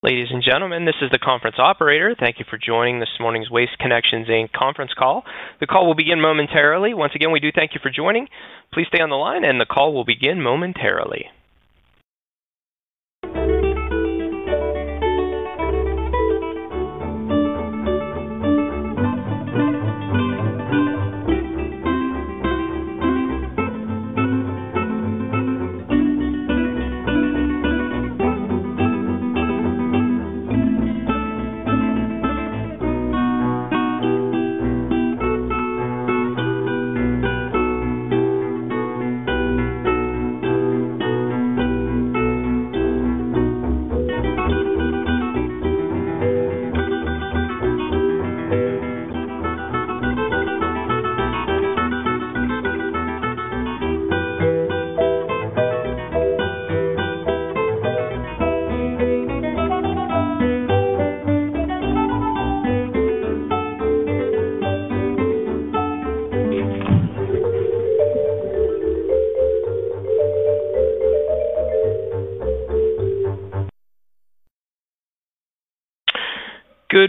Ladies and gentlemen, this is the conference operator. Thank you for joining this morning's Waste Connections conference call. The call will begin momentarily. Once again, we do thank you for joining. Please stay on the line and the call will begin momentarily.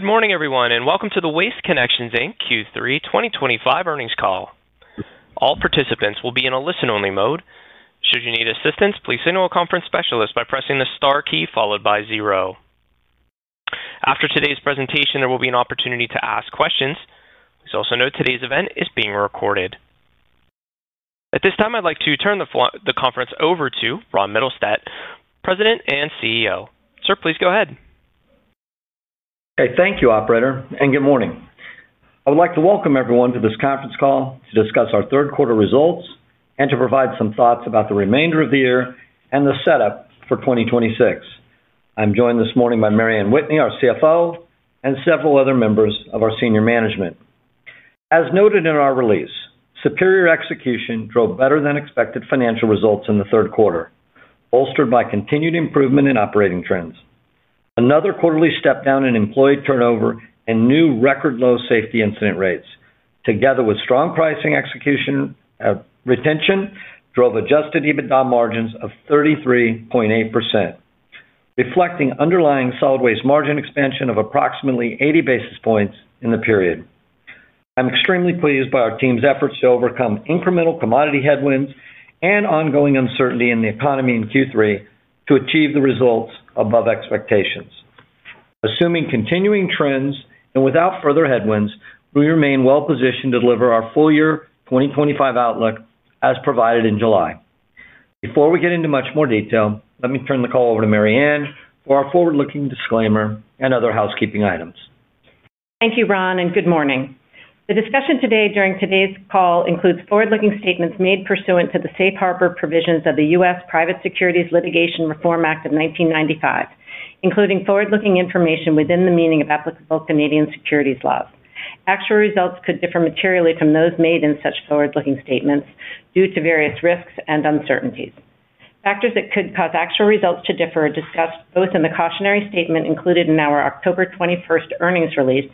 SA. Good morning everyone and welcome to the Waste Connections Inc. Q3 2025 earnings call. All participants will be in a listen only mode. Should you need assistance, please signal a conference specialist by pressing the star key followed by zero. After today's presentation, there will be an opportunity to ask questions. Please also note today's event is being recorded. At this time I'd like to turn the conference over to Ronald Mittelstaedt, President and CEO. Sir, please go ahead. Thank you, operator, and good morning. I would like to welcome everyone to this conference call to discuss our third quarter results and to provide some thoughts about the remainder of the year and the setup for 2026. I'm joined this morning by Mary Anne Whitney, our CFO, and several other members of our senior management. As noted in our release, superior execution drove better than expected financial results in the third quarter, bolstered by continued improvement in operating trends, another quarterly step down in employee turnover, and new record low safety incident rates. Together with strong pricing execution retention, this drove adjusted EBITDA margins of 33.8%, reflecting underlying solid waste margin expansion of approximately 80 basis points in the period. I'm extremely pleased by our team's efforts to overcome incremental commodity headwinds and ongoing uncertainty in the economy in Q3 to achieve the results above expectations. Assuming continuing trends and without further headwinds, we remain well positioned to deliver our full year 2025 outlook as provided in July. Before we get into much more detail, let me turn the call over to Mary Anne for our forward looking disclaimer and other housekeeping items. Thank you Ron and good morning. The discussion today during today's call includes forward-looking statements made pursuant to the safe harbor provisions of the U.S. Private Securities Litigation Reform Act of 1995, including forward-looking information within the meaning of applicable Canadian securities laws. Actual results could differ materially from those made in such forward-looking statements due to various risks and uncertainties. Factors that could cause actual results to differ are discussed both in the cautionary statement included in our October 21 earnings release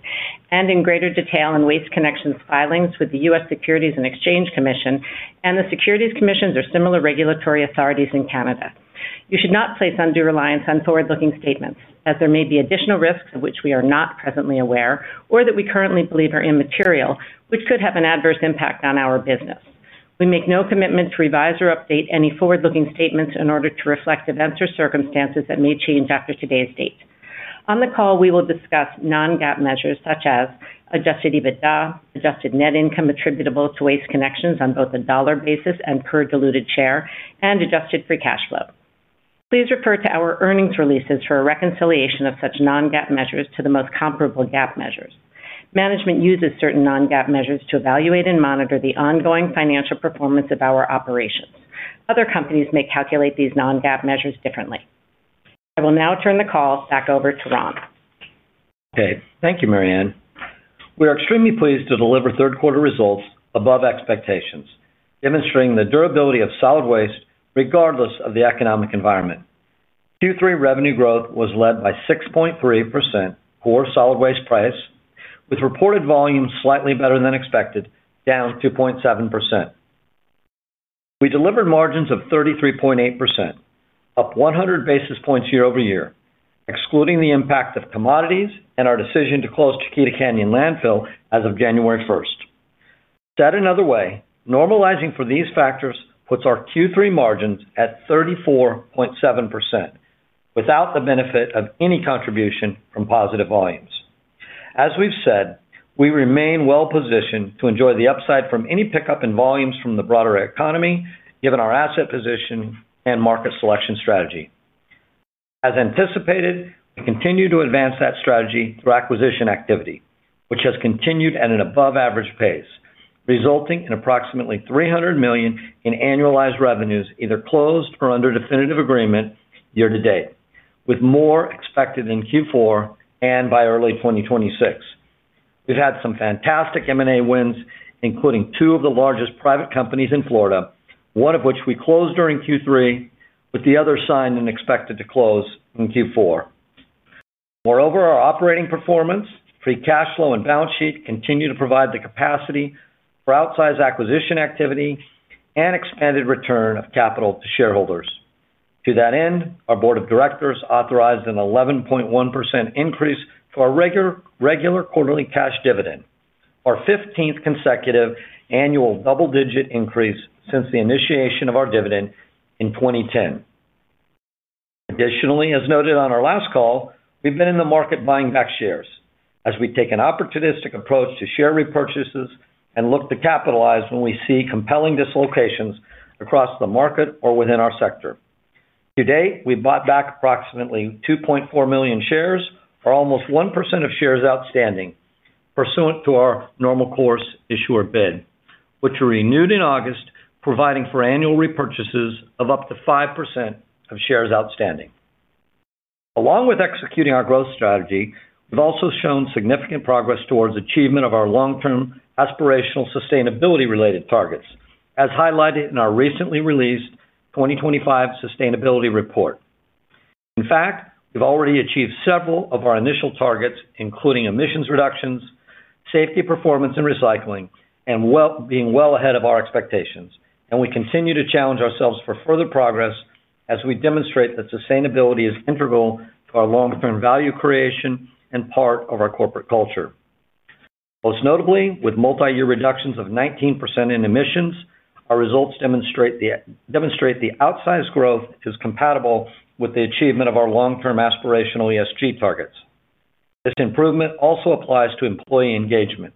and in greater detail in Waste Connections filings with the U.S. Securities and Exchange Commission and the securities commissions or similar regulatory authorities in Canada. You should not place undue reliance on forward-looking statements as there may be additional risks of which we are not presently aware or that we currently believe are immaterial, which could have an adverse impact on our business. We make no commitment to revise or update any forward-looking statements in order to reflect events or circumstances that may change after today's date. On the call we will discuss non-GAAP measures such as adjusted EBITDA, adjusted net income attributable to Waste Connections on both a dollar basis and per diluted share, and adjusted free cash flow. Please refer to our earnings releases for a reconciliation of such non-GAAP measures to the most comparable GAAP measures. Management uses certain non-GAAP measures to evaluate and monitor the ongoing financial performance of our operations. Other companies may calculate these non-GAAP measures differently. I will now turn the call back. Okay, thank you Mary Anne. We are extremely pleased to deliver third quarter results above expectations, demonstrating the durability of solid waste regardless of the economic environment. Q3 revenue growth was led by 6.3% core solid waste price with reported volumes slightly better than expected, down 2.7%. We delivered margins of 33.8%, up 100 basis points year over year, excluding the impact of commodities and our decision to close Chiquita Canyon landfill as of January 1. Said another way, normalizing for these factors puts our Q3 margins at 34.7% without the benefit of any contribution from positive volumes. As we've said, we remain well positioned to enjoy the upside from any pickup in volumes from the broader economy given our asset position and market selection strategy. As anticipated, we continue to advance that strategy through acquisition activity, which has continued at an above average pace, resulting in approximately $300 million in annualized revenues either closed or under definitive agreement year to date, with more expected in Q4. By early 2026, we've had some fantastic M&A wins, including two of the largest private companies in Florida, one of which we closed during Q3 with the other signed and expected to close in Q4. Moreover, our operating performance, free cash flow and balance sheet continue to provide the capacity for outsized acquisition activity and expanded return of capital to shareholders. To that end, our Board of Directors authorized an 11.1% increase to our regular quarterly cash dividend, our 15th consecutive annual double digit increase since the initiation of our dividend in 2010. Additionally, as noted on our last call, we've been in the market buying back shares as we take an opportunistic approach to share repurchases and look to capitalize when we see compelling dislocations across the market or within our sector. To date, we bought back approximately 2.4 million shares, or almost 1% of shares outstanding pursuant to our normal course issuer bid, which we renewed in August, providing for annual repurchases of up to 5% of shares outstanding. Along with executing our growth strategy, we've also shown significant progress towards achievement of our long term aspirational sustainability related targets as highlighted in our recently released 2025 sustainability report. In fact, we've already achieved several of our initial targets, including emissions reductions, safety, performance in recycling, and being well ahead of our expectations. We continue to challenge ourselves for further progress as we demonstrate that sustainability is integral to our long-term value creation and part of our corporate culture, most notably with multi-year reductions of 19% in emissions. Our results demonstrate that outsized growth is compatible with the achievement of our long-term aspirational ESG targets. This improvement also applies to employee engagement,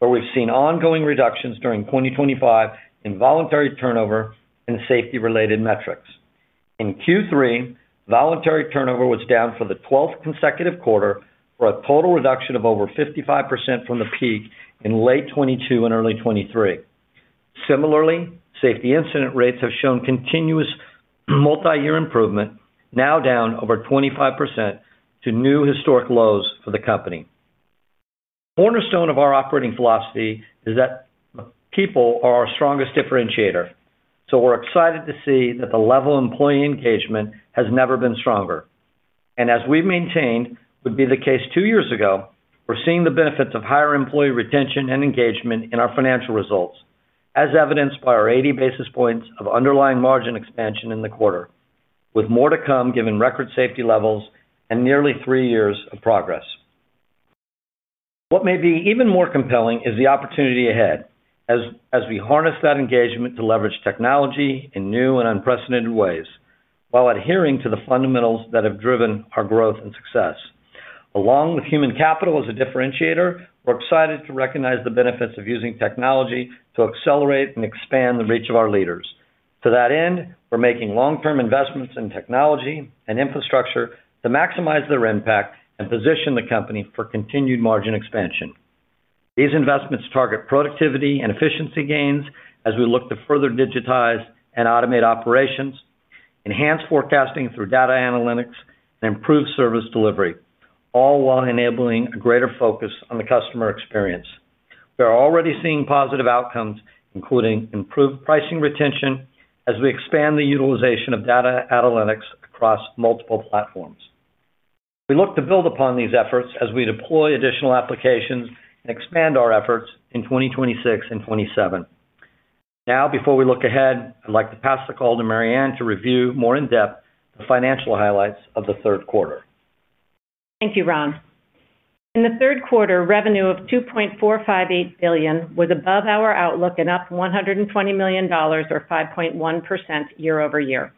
where we've seen ongoing reductions during 2025 in involuntary turnover and safety-related metrics. In Q3, voluntary turnover was down for the 12th consecutive quarter for a total reduction of over 55% from the peak in late 2022 and early 2023. Similarly, safety incident rates have shown continuous multi-year improvement, now down over 25% to new historic lows for the company. A cornerstone of our operating philosophy is that people are our strongest differentiator, so we're excited to see that the level of employee engagement has never been stronger. As we maintained would be the case two years ago, we're seeing the benefits of higher employee retention and engagement in our financial results as evidenced by our 80 basis points of underlying margin expansion in the quarter. With more to come given record safety levels and nearly three years of progress, what may be even more compelling is the opportunity ahead as we harness that engagement to leverage technology in new and unprecedented ways while adhering to the fundamentals that have driven our growth and success. Along with human capital as a differentiator, we're excited to recognize the benefits of using technology to accelerate and expand the reach of our leadership. To that end, we're making long-term investments in technology and infrastructure to maximize their impact and position the company for continued margin expansion. These investments target productivity and efficiency gains as we look to further digitize and automate operations, enhance forecasting through data analytics, and improve service delivery, all while enabling a greater focus on the customer experience. We are already seeing positive outcomes, including improved pricing retention as we expand the utilization of data analytics across multiple platforms. We look to build upon these efforts as we deploy additional applications and expand our efforts in 2026 and 2027. Now, before we look ahead, I'd like to pass the call to Mary Anne to review more in depth the financial highlights of the third quarter. Thank you, Ron. In the third quarter, revenue of $2.458 billion was above our outlook and up $120 million or 5.1% year over year.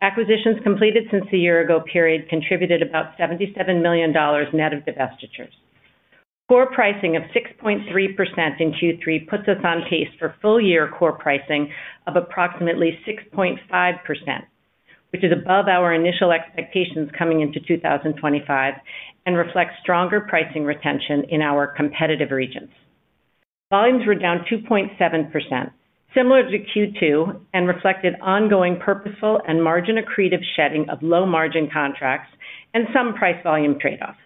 Acquisitions completed since the year-ago period contributed about $77 million net of divestitures. Core pricing of 6.3% in Q3 puts us on pace for full year core pricing of approximately 6.5%, which is above our initial expectations coming into 2023 and reflects stronger pricing retention in our competitive regions. Volumes were down 2.7%, similar to Q2, and reflected ongoing purposeful and margin accretive shedding of low margin contracts and some price volume trade off.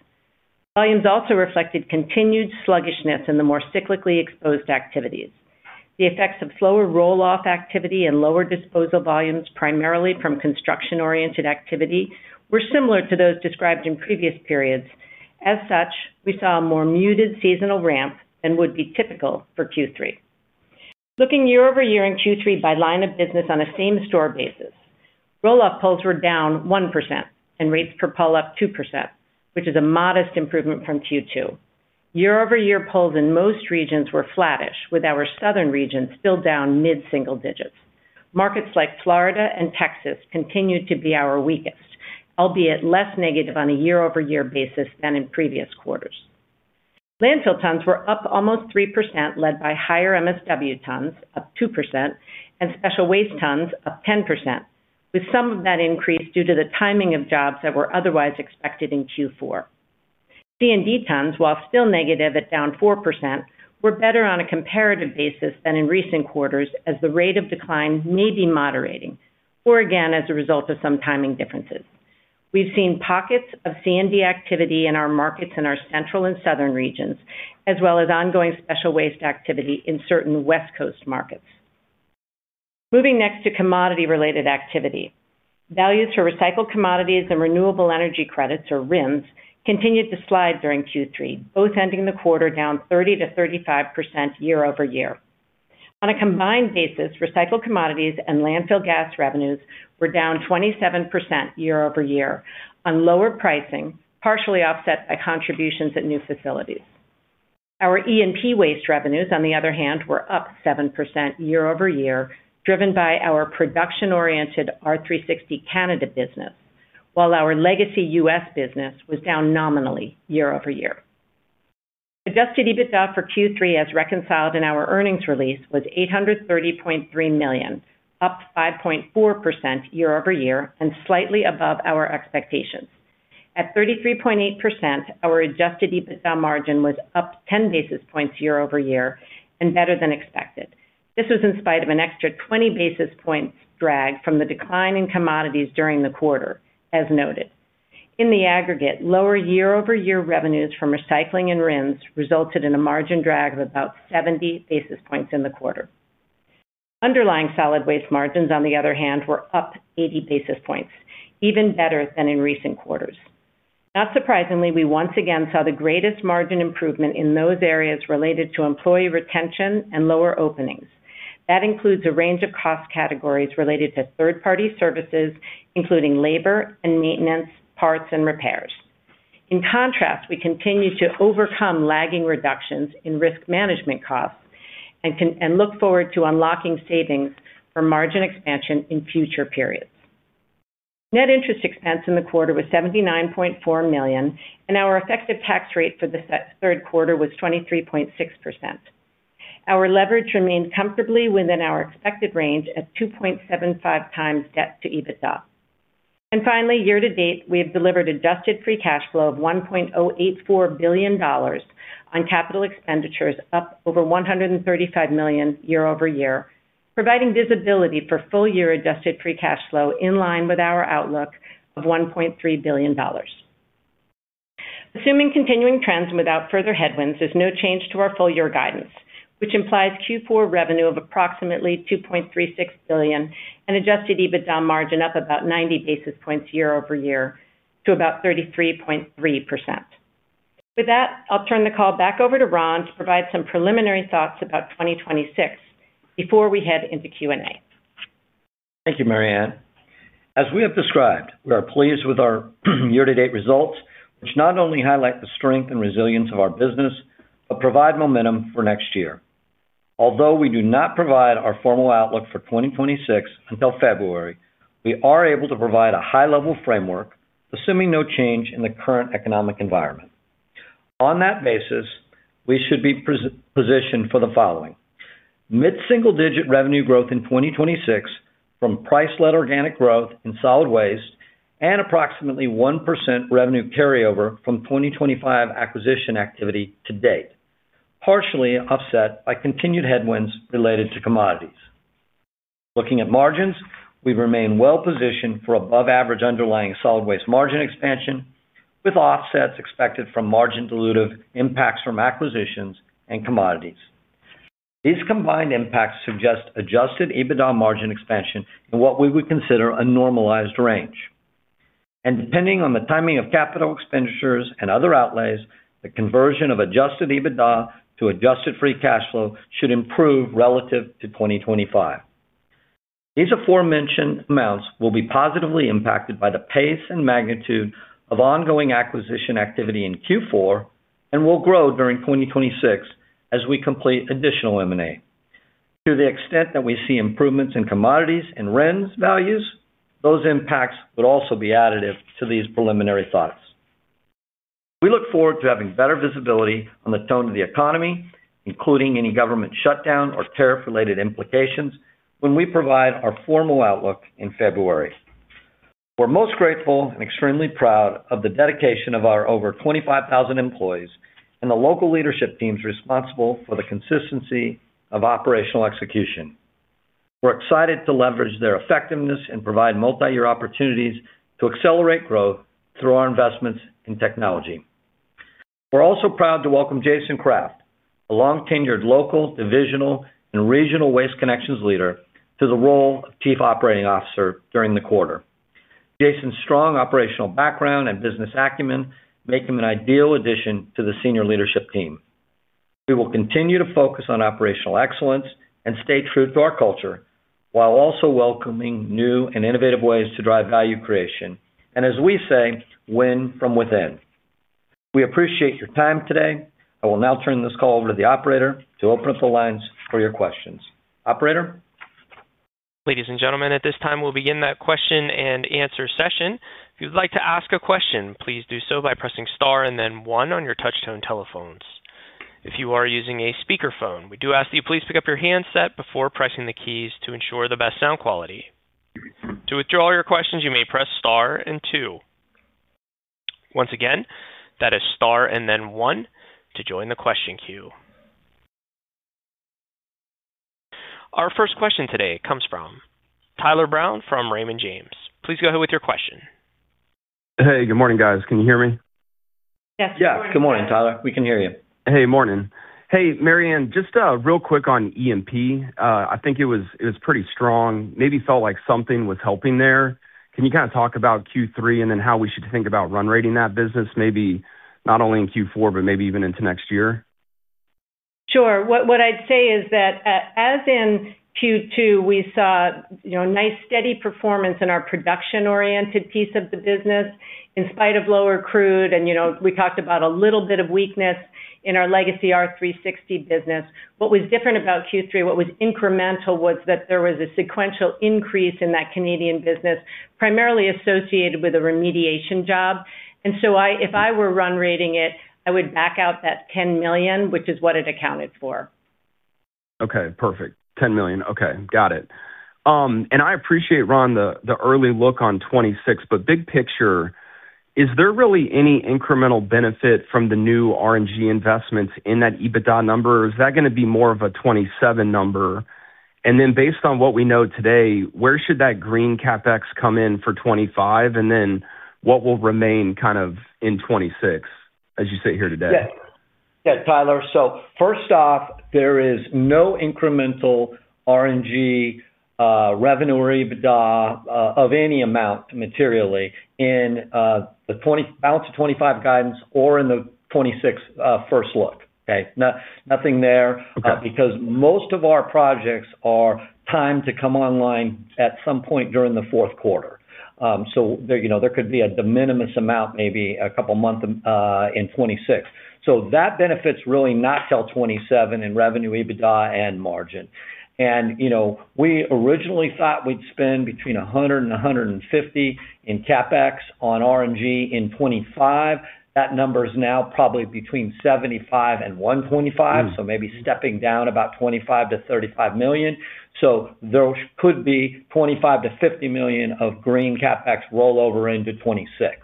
Volumes also reflected continued sluggishness in the more cyclically exposed activities. The effects of slower roll-off activity and lower disposal volumes, primarily from construction-oriented, were similar to those described in previous periods. As such, we saw a more muted seasonal ramp than would be typical for Q3. Looking year over year in Q3 by line of business on a same store basis, roll-off pulls were down 1% and rates per pull up 2%, which is a modest improvement from Q2. Year over year, pulls in most regions were flattish, with our southern region still down mid single digits. Markets like Florida and Texas continued to be our weakest, albeit less negative on a year over year basis than in previous quarters. Landfill tons were up almost 3%, led by higher MSW tons up 2% and special waste tons up 10%, with some of that increase due to the timing of jobs that were otherwise expected in Q4. C&D tons, while still negative at down 4%, were better on a comparative basis than in recent quarters as the rate of decline may be moderating or again as a result of some timing differences. We've seen pockets of C&D activity in our markets in our central and southern regions as well as ongoing special waste activity in certain West Coast markets. Moving next to commodity-related activity, values for recycled commodities and renewable energy credits or RINs continued to slide during Q3, both ending the quarter down 30% to 35% year over year on a combined basis. Recycled commodities and landfill gas revenues were down 27% year over year on lower pricing, partially offset by contributions at new facilities. Our E&P waste revenues, on the other hand, were up 7% year over year driven by our production-oriented R360 Canada business, while our legacy U.S. business was down nominally year over year. Adjusted EBITDA for Q3 as reconciled in our earnings release was $830.3 million, up 5.4% year over year and slightly above our expectations at 33.8%. Our adjusted EBITDA margin was up 10 basis points year over year and better than expected. This was in spite of an extra 20 basis points drag from the decline in commodities during the quarter. As noted in the aggregate, lower year over year revenues from recycling and RINs resulted in a margin drag of about 70 basis points in the quarter. Underlying solid waste margins, on the other hand, were up 80 basis points, even better than in recent quarters. Not surprisingly, we once again saw the greatest margin improvement in those areas related to employee retention and lower openings. That includes a range of cost categories related to third-party services including labor and maintenance, parts and repairs. In contrast, we continue to overcome lagging reductions in risk management costs and look forward to unlocking savings for margin expansion in future periods. Net interest expense in the quarter was $79.4 million and our effective tax rate for the third quarter was 23.6%. Our leverage remained comfortably within our expected range at 2.75 times debt to EBITDA. Finally, year to date we have delivered adjusted free cash flow of $1.084 billion on capital expenditures up over $135 million year over year, providing visibility for full year adjusted free cash flow in line with our outlook of $1.3 billion. Assuming continuing trends without further headwinds, there is no change to our full year guidance which implies Q4 revenue of approximately $2.36 billion and adjusted EBITDA margin up about 90 basis points to about 33.3%. With that, I'll turn the call back over to Ron to provide some preliminary thoughts about 2026 before we head into Q and A. Thank you, Mary Anne. As we have described, we are pleased with our year-to-date results, which not only highlight the strength and resilience of our business, but provide momentum for next year. Although we do not provide our formal outlook for 2026 until February, we are able to provide a high-level framework assuming no change in the current economic environment. On that basis, we should be positioned for mid-single-digit revenue growth in 2026 from price-led organic growth in solid waste and approximately 1% revenue carryover from 2025 acquisition activity to date, partially offset by continued headwinds related to commodities. Looking at margins, we remain well positioned for above-average underlying solid waste margin expansion, with offsets expected from margin-dilutive impacts from acquisitions and commodities. These combined impacts suggest adjusted EBITDA margin expansion in what we would consider a normalized range and depending on the timing of capital expenditures and other outlays. The conversion of adjusted EBITDA to adjusted free cash flow should improve relative to 2025. These aforementioned amounts will be positively impacted by the pace and magnitude of ongoing acquisition activity in Q4 and will grow during 2026 as we complete additional M&A. To the extent that we see improvements in commodities and RINs values, those impacts would also be additive to these preliminary thoughts. We look forward to having better visibility on the tone of the economy and including any government shutdown or tariff-related implications when we provide our formal outlook in February. We're most grateful and extremely proud of the dedication of our over 25,000 employees and the local leadership teams responsible for the consistency of operational execution. We're excited to leverage their effectiveness and provide multi-year opportunities to accelerate growth through our investments in technology. We're also proud to welcome Jason Kraft, a long-tenured local, divisional, and regional Waste Connections leader, to the role of Chief Operating Officer during the quarter. Jason's strong operational background and business acumen make him an ideal addition to the senior leadership team. We will continue to focus on operational excellence and stay true to our culture while also welcoming new and innovative ways to drive value creation and, as we say, win from within. We appreciate your time today. I will now turn this call over to the operator to open up the lines for your questions. Ladies and gentlemen, at this time we'll begin that question and answer session. If you'd like to ask a question, please do so by pressing STAR and then one on your touchtone telephones. If you are using a speakerphone, we do ask that you please pick up your handset before pressing the keys to ensure the best sound quality. To withdraw your questions, you may press STAR and two. Once again, that is STAR and then one to join the question queue. Our first question today comes from Tyler Brown from Raymond James. Please go ahead with your question. Hey, good morning guys. Can you hear me? Yes, yes, good morning, Tyler. We can hear you. Hey, morning. Hey Mary Anne. Just real quick on EMP, I think it was pretty strong, maybe felt like something was helping there. Can you kind of talk about Q3 and then how we should think about run rating that business, maybe not only in Q4, but maybe even into next year? Sure. What I'd say is that as in Q2 we saw nice steady performance in our production-oriented piece of the business in spite of lower crude, and we talked about a little bit of weakness in our legacy R360 business. What was different about Q3, what was incremental, was that there was a sequential increase in that Canadian business primarily associated with a remediation job. If I were run rating it, I would back out that $10 million, which is what it accounted for. Okay, perfect. $10 million. Okay, got it. I appreciate, Ron, the early look on 2026. Big picture, is there really any incremental benefit from the new RNG investments in that EBITDA number, or is that going to be more of a 2027 number? Based on what we know today, where should that green capex come in for 2025, and what will remain in 2026 as you sit here today? Yeah, Tyler, so first off, there is no incremental RNG revenue or EBITDA of any amount materially in the balance of 2025 guidance or in the 2026 first look. Okay, nothing there because most of our projects are timed to come online at some point during the fourth quarter. There could be a de minimis amount, maybe a couple months in 2026. That benefit is really not till 2027 in revenue, EBITDA, and margin. You know, we originally thought we'd spend between $100 million and $150 million in CapEx on RNG in 2025. That number is now probably between $75 million and $125 million, so maybe stepping down about $25 million to $35 million. There could be $25 million to $50 million of green CapEx rollover into 2026.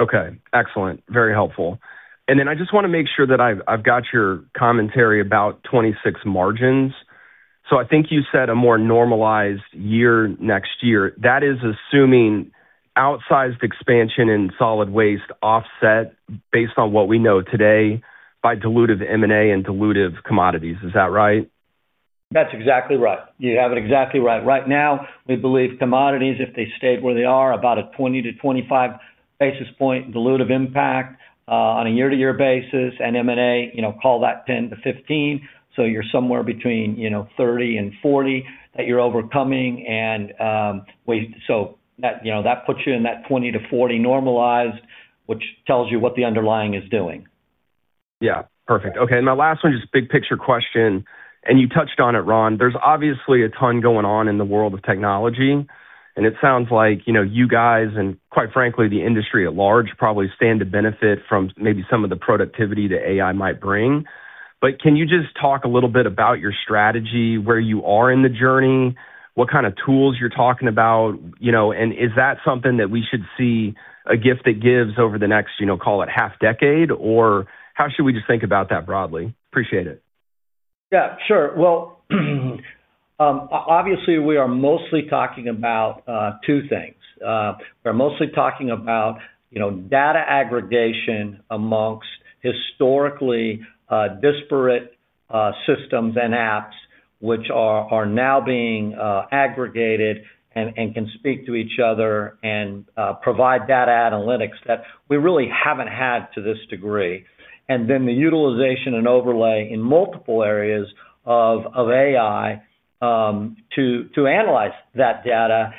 Okay, excellent, very helpful. I just want to make sure that I've got your commentary about 2026 margins. I think you said a more normalized year next year. That is assuming outsized expansion in solid waste offset based on what we know today by dilutive M&A and dilutive commodities. Is that right? That's exactly right. You have it exactly right. Right now we believe commodities, if they stayed where they are, about a 20 to 25 basis point dilutive impact on a year-to-year basis. M&A, you know, call that 10 to 15. You're somewhere between, you know, 30 and 40 that you're overcoming, which puts you in that 20 to 40 normalized, which tells you what the underlying is doing. Yeah, perfect. Okay, my last one, just big picture question and you touched on it, Ron. There's obviously a ton going on in the world of technology and it sounds like you guys and quite frankly the industry at large probably stand to benefit from maybe some of the productivity that AI might bring. Can you just talk a little bit about your strategy, where you are in the journey, what kind of tools you're talking about, and is that something that we should see a gift that gives over the next, call it half decade, or how should we just think about that broadly? Appreciate it. Yeah, sure. Obviously, we are mostly talking about two things. We're mostly talking about data aggregation amongst historically disparate systems and apps, which are now being aggregated and can speak to each other and provide data analytics that we really haven't had to this degree. The utilization and overlay in multiple areas of AI to analyze that data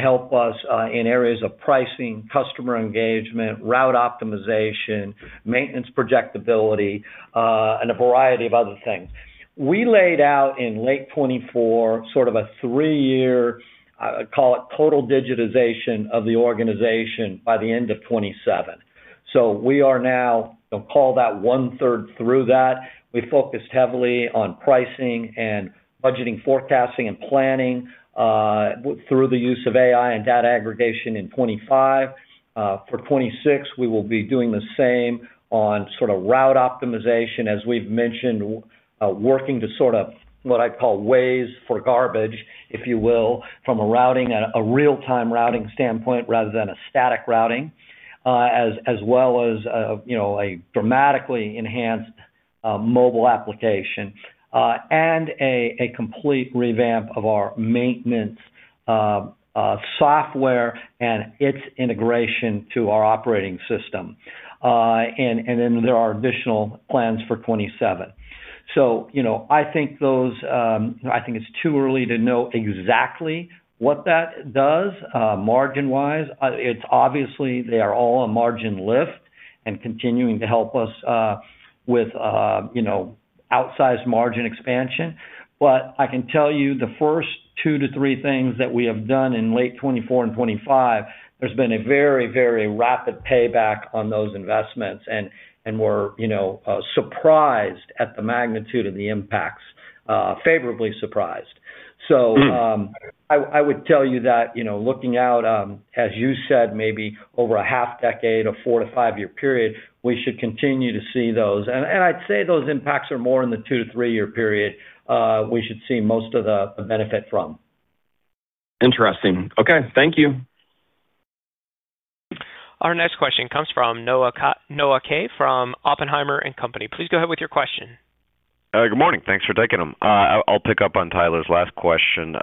help us in areas of pricing, customer engagement, route optimization, maintenance, projectability, and a variety of other things we laid out in late 2024, sort of a three-year, call it total digitization of the organization by the end of 2027. We are now, call that one third through that. We focused heavily on pricing and budgeting, forecasting, and planning through the use of AI and data aggregation. In 2025 for 2026, we will be doing the same on sort of route optimization as we've mentioned, working to sort of what I call ways for garbage, if you will, from a routing, a real-time routing standpoint rather than a static routing, as well as a dramatically enhanced mobile application and a complete revamp of our maintenance software and its integration to our operating system. There are additional plans for 2027. I think it's too early to know exactly what that does margin wise. Obviously, they are all a margin lift and continuing to help us with outsized margin expansion. I can tell you the first two to three things that we have done in late 2024 and 2025, there's been a very, very rapid payback on those investments and were surprised at the magnitude of the impacts, favorably surprised. I would tell you that looking out, as you said, maybe over a half decade, a four to five year period, we should continue to see those, and I'd say those impacts are more in the two to three year period we should see most of the benefit from. Interesting. Okay, thank you. Our next question comes from Noah Kaye from Oppenheimer & Co. Inc. Please go ahead with your question. Good morning. Thanks for taking them. I'll pick up on Tyler's last question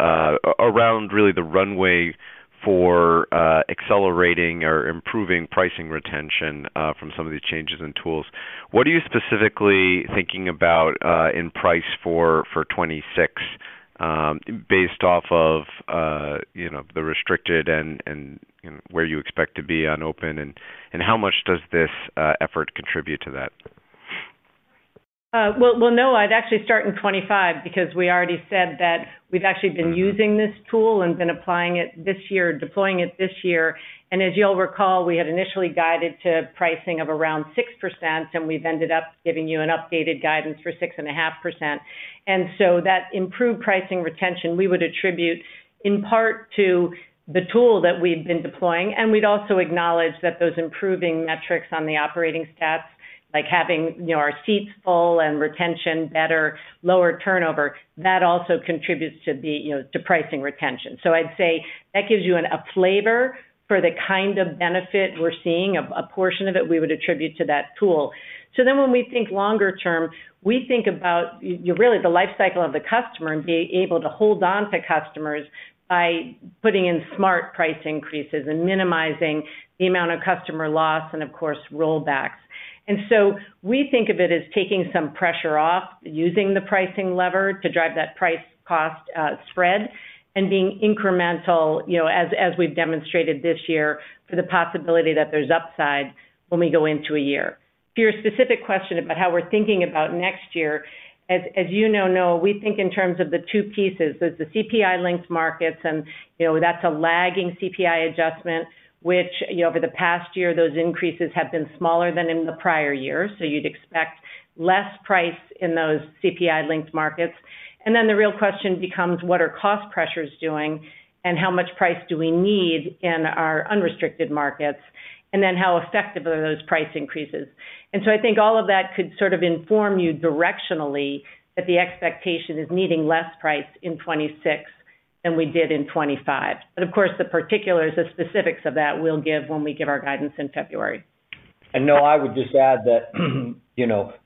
around really the runway for accelerating or improving pricing retention from some of these changes in tools. What are you specifically thinking about in price for 2026 based off of the restricted and where you expect to be on open, and how much does this effort contribute to that? I’d actually start in 2025 because we already said that we’ve actually been using this tool and been applying it this year, deploying it this year. As you’ll recall, we had initially guided to pricing of around 6% and we’ve ended up giving you an updated guidance for 6.5%. That improved pricing retention we would attribute, in part, to the tool that we’ve been deploying. We’d also acknowledge that those improving metrics on the operating stats, like having our seats full and retention better, lower turnover, that also contributes to pricing retention. I’d say that gives you a flavor for the kind of benefit we’re seeing. A portion of it we would attribute to that tool. When we think longer term, we think about really the lifecycle of the customer and being able to hold on to customers by putting in smart price increases and minimizing the amount of customer loss and of course rollbacks. We think of it as taking some pressure off, using the pricing lever to drive that price cost spread and being incremental as we’ve demonstrated this year, for the possibility that there’s upside when we go into a year. To your specific question about how we’re thinking about next year, as you know, Noah, we think in terms of the two pieces, there’s the CPI linked markets and that’s a lagging CPI, CPI adjustment which over the past year those increases have been smaller than in the prior year. You’d expect less price in those CPI linked markets. The real question becomes what are cost pressures doing and how much price do we need in our unrestricted markets and then how effective are those price increases? I think all of that could sort of inform you directionally that the expectation is needing less price increase in 2026 than we did in 2025. Of course, the particulars, the specifics of that we’ll give when we give our guidance in February. I would just add that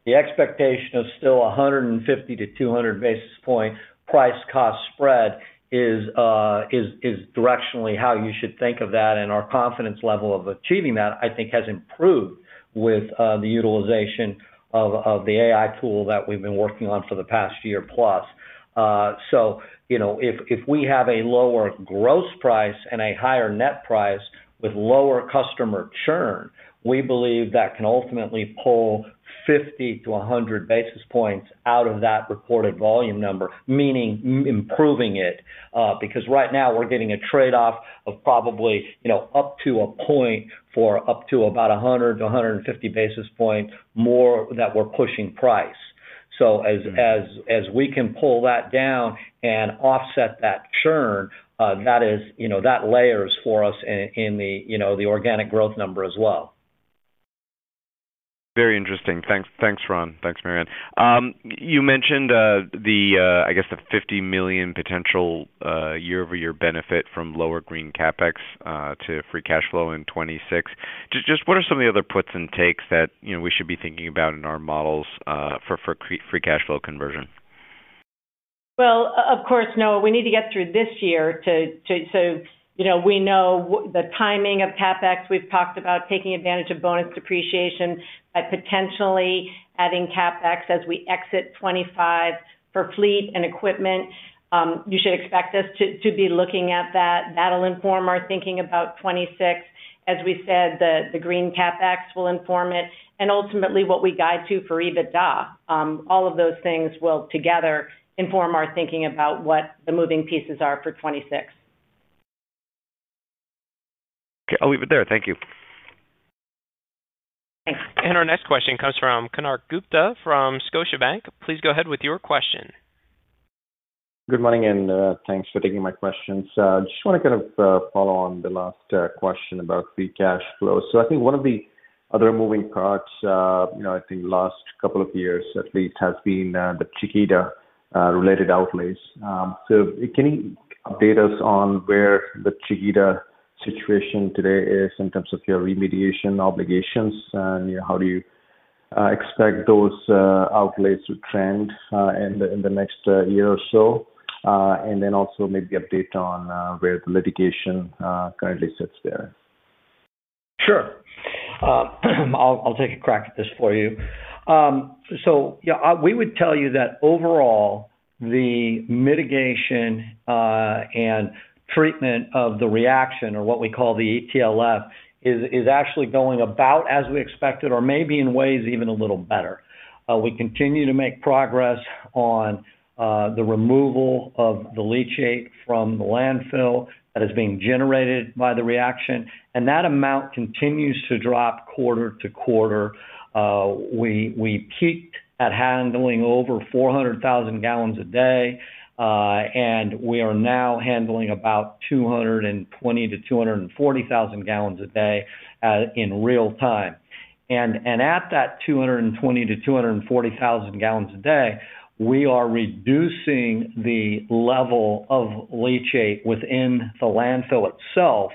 the expectation of still 150 to 200 basis point price cost spread is directionally how you should think of that. Our confidence level of achieving that I think has improved with the utilization of the AI tool that we've been working on for the past year plus. If we have a lower gross price and a higher net price with lower customer churn, we believe that can ultimately pull 50 to 100 basis points out of that reported volume number, meaning improving it because right now we're getting a trade off of probably up to a point for up to about 100 to 150 basis point more. We're pushing price so as we can pull that down and offset that churn that layers for us in the organic growth number as well. Very interesting. Thanks, Ron. Thanks, Mary Anne. You mentioned, I guess, the $50 million potential year over year benefit from lower green CapEx to free cash flow in 2026. What are some of the other puts and takes that we should be thinking about in our models for free cash flow conversion? Of course, Noah, we need to get through this year. We know the timing of CapEx. We've talked about taking advantage of bonus depreciation by potentially adding CapEx as we exit 2025 for fleet and equipment. You should expect us to be looking at that. That'll inform our thinking about 2026. As we said, the green CapEx will inform it, and ultimately what we guide to for EBITDA. All of those things will together inform our thinking about what the moving pieces are for 2026. Okay, I'll leave it there. Thank you. Our next question comes from Kanar Gupta from Scotiabank. Please go ahead with your question. Good morning and thanks for taking my questions. I just want to kind of follow on the last question about free cash flow. I think one of the other moving parts, I think the last couple of years at least, has been the Chiquita Canyon related outlays. Can you update us on where the Chiquita Canyon situation today is in terms of your remediation obligations, and how do you expect those outlays to trend in the next year or so? Also, maybe update on where the litigation currently sits there? Sure, I'll take a crack at this for you. We would tell you that overall, the mitigation and treatment of the reaction, or what we call the ETLF, is actually going about as we expected or maybe in ways even a little better. We continue to make progress on the removal of the leachate from the landfill that is being generated by the reaction, and that amount continues to drop quarter to quarter. We peaked at handling over 400,000 gallons a day, and we are now handling about 220,000 to 240,000 gallons a day in real time. At that 220,000 to 240,000 gallons a day, we are reducing the level of leachate within the landfill itself,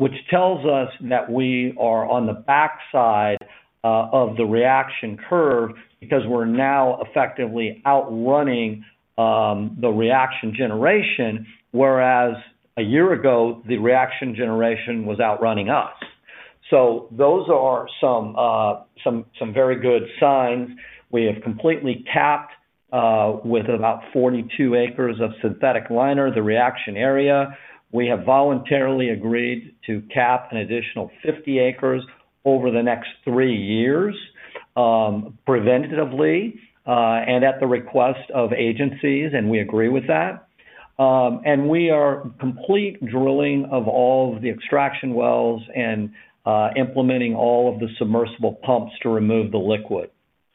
which tells us that we are on the backside of the reaction curve because we're now effectively outrunning the reaction generation, whereas a year ago the reaction generation was outrunning us. Those are some very good signs. We have completely capped, with about 42 acres of synthetic liner, the reaction area. We have voluntarily agreed to cap an additional 50 acres over the next three years, preventatively and at the request of agencies, and we agree with that. We are complete drilling of all of the extraction wells and implementing all of the submersible pumps to remove the liquid.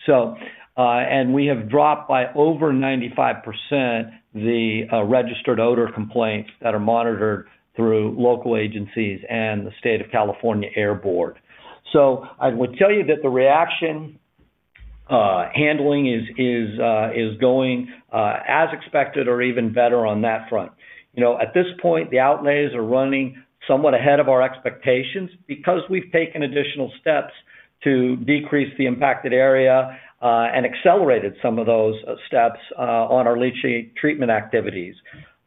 We have dropped by over 95% the registered odor complaints that are monitored through local agencies and the State of California Air Board. I would tell you that the reaction handling is going as expected or even better on that front. At this point, the outlays are running somewhat ahead of our expectations because we've taken additional steps to decrease the impacted area and accelerated some of those steps on our leachate treatment activities.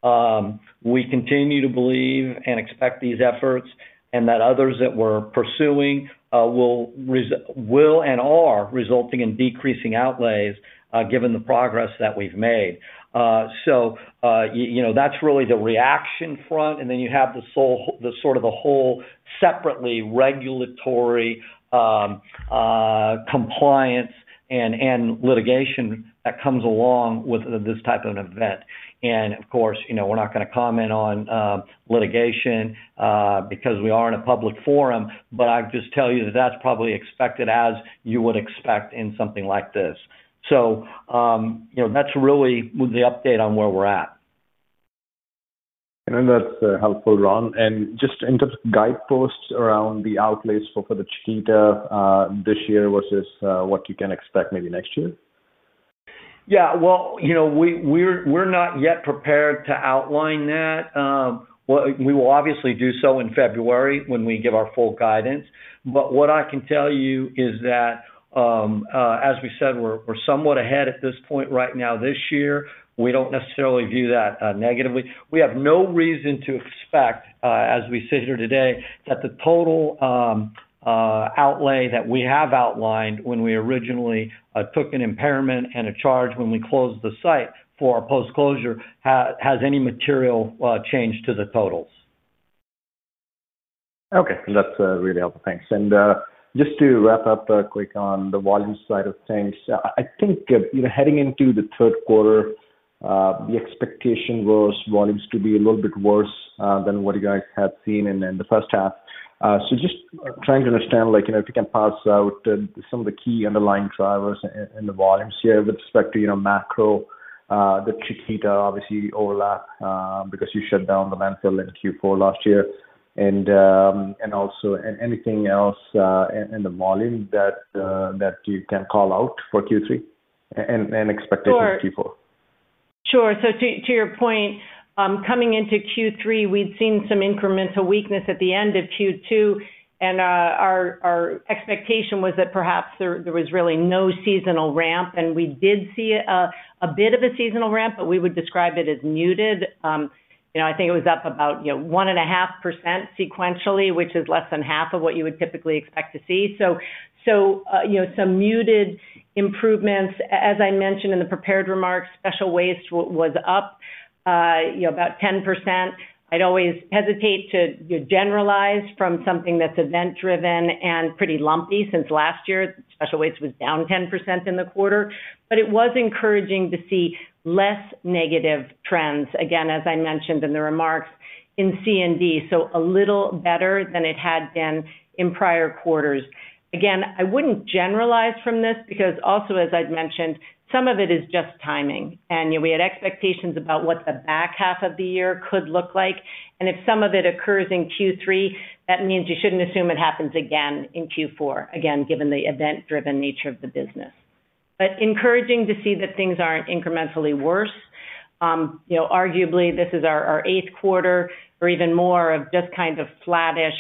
We continue to believe and expect these efforts and that others that we're pursuing will and are resulting in decreasing outlays, given the progress that we've made. That's really the reaction front. Then you have the whole separately regulatory compliance and litigation that comes along with this type of an event. Of course, we're not going to comment on litigation because we are in a public forum, but I just tell you that that's probably expected, as you would expect in something like this. That's really the update. On where we're at, that's helpful, Ron. Just in terms of guideposts around the outlays for the Chiquita Canyon this year versus what you can expect maybe next year. Yeah, you know, we're not yet prepared to outline that. We will obviously do so in February when we give our full guidance. What I can tell you is that, as we said, we're somewhat ahead at this point right now, this year. We don't necessarily view that negatively. We have no reason to expect, as we sit here today, that the total outlay that we have outlined when we originally took an impairment and a charge when we closed the site for post closure has any material change to the totals. Okay, that's really helpful, thanks. Just to wrap up quick on the volume side of things, I think heading into the third quarter, the expectation was volumes to be a little bit worse than what you guys had seen in the first half. I'm just trying to understand if you can pass out some of the key underlying drivers in the volumes here with respect to macro. The Chiquita Canyon obviously overlaps because you shut down the landfill in Q4 last year. Also, is there anything else in the volume that you can call out for Q3 and expectations? Q4, sure. To your point, coming into Q3 we'd seen some incremental weakness at the end of Q2 and our expectation was that perhaps there was really no seasonal ramp. We did see a bit of a seasonal ramp, but we would describe it as muted. I think it was up about 1.5% sequentially, which is less than half of what you would typically expect to see. Some muted improvements. As I mentioned in the prepared remarks, special waste was up about 10%. I'd always hesitate to generalize from something that's event driven and pretty lumpy since last year. Special waste was down 10% in the quarter, but it was encouraging to see less negative trends. Again, as I mentioned in the remarks in C and D, a little better than it had been in prior quarters. I wouldn't generalize from this because also, as I'd mentioned, some of it is just timing and we had expectations about what the back half of the year could look like. If some of it occurs in Q2, that means you shouldn't assume it happens again in Q4 given the event driven nature of the business, but encouraging to see that things aren't incrementally worse. Arguably, this is our eighth quarter or even more of just kind of flattish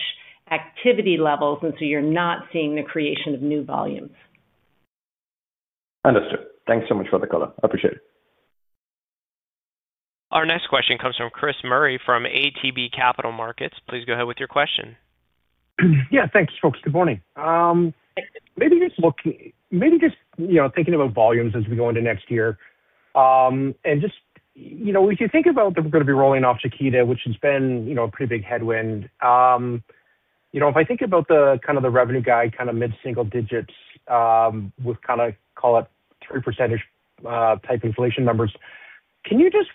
activity levels and you're not seeing the creation of new volumes. Understood. Thanks so much for the color. I appreciate it. Our next question comes from Chris Murray from ATB Capital Markets. Please go ahead with your question. Yeah, thanks folks. Good morning. Maybe just looking, maybe just, you know, thinking about volumes as we go into next year and just, you know, if you think about that we're going to be rolling off Chiquita Canyon, which has been, you know, a pretty big headwind. If I think about the kind of the revenue guide kind of mid single digits with kind of, call it, 3% type inflation numbers. Can you just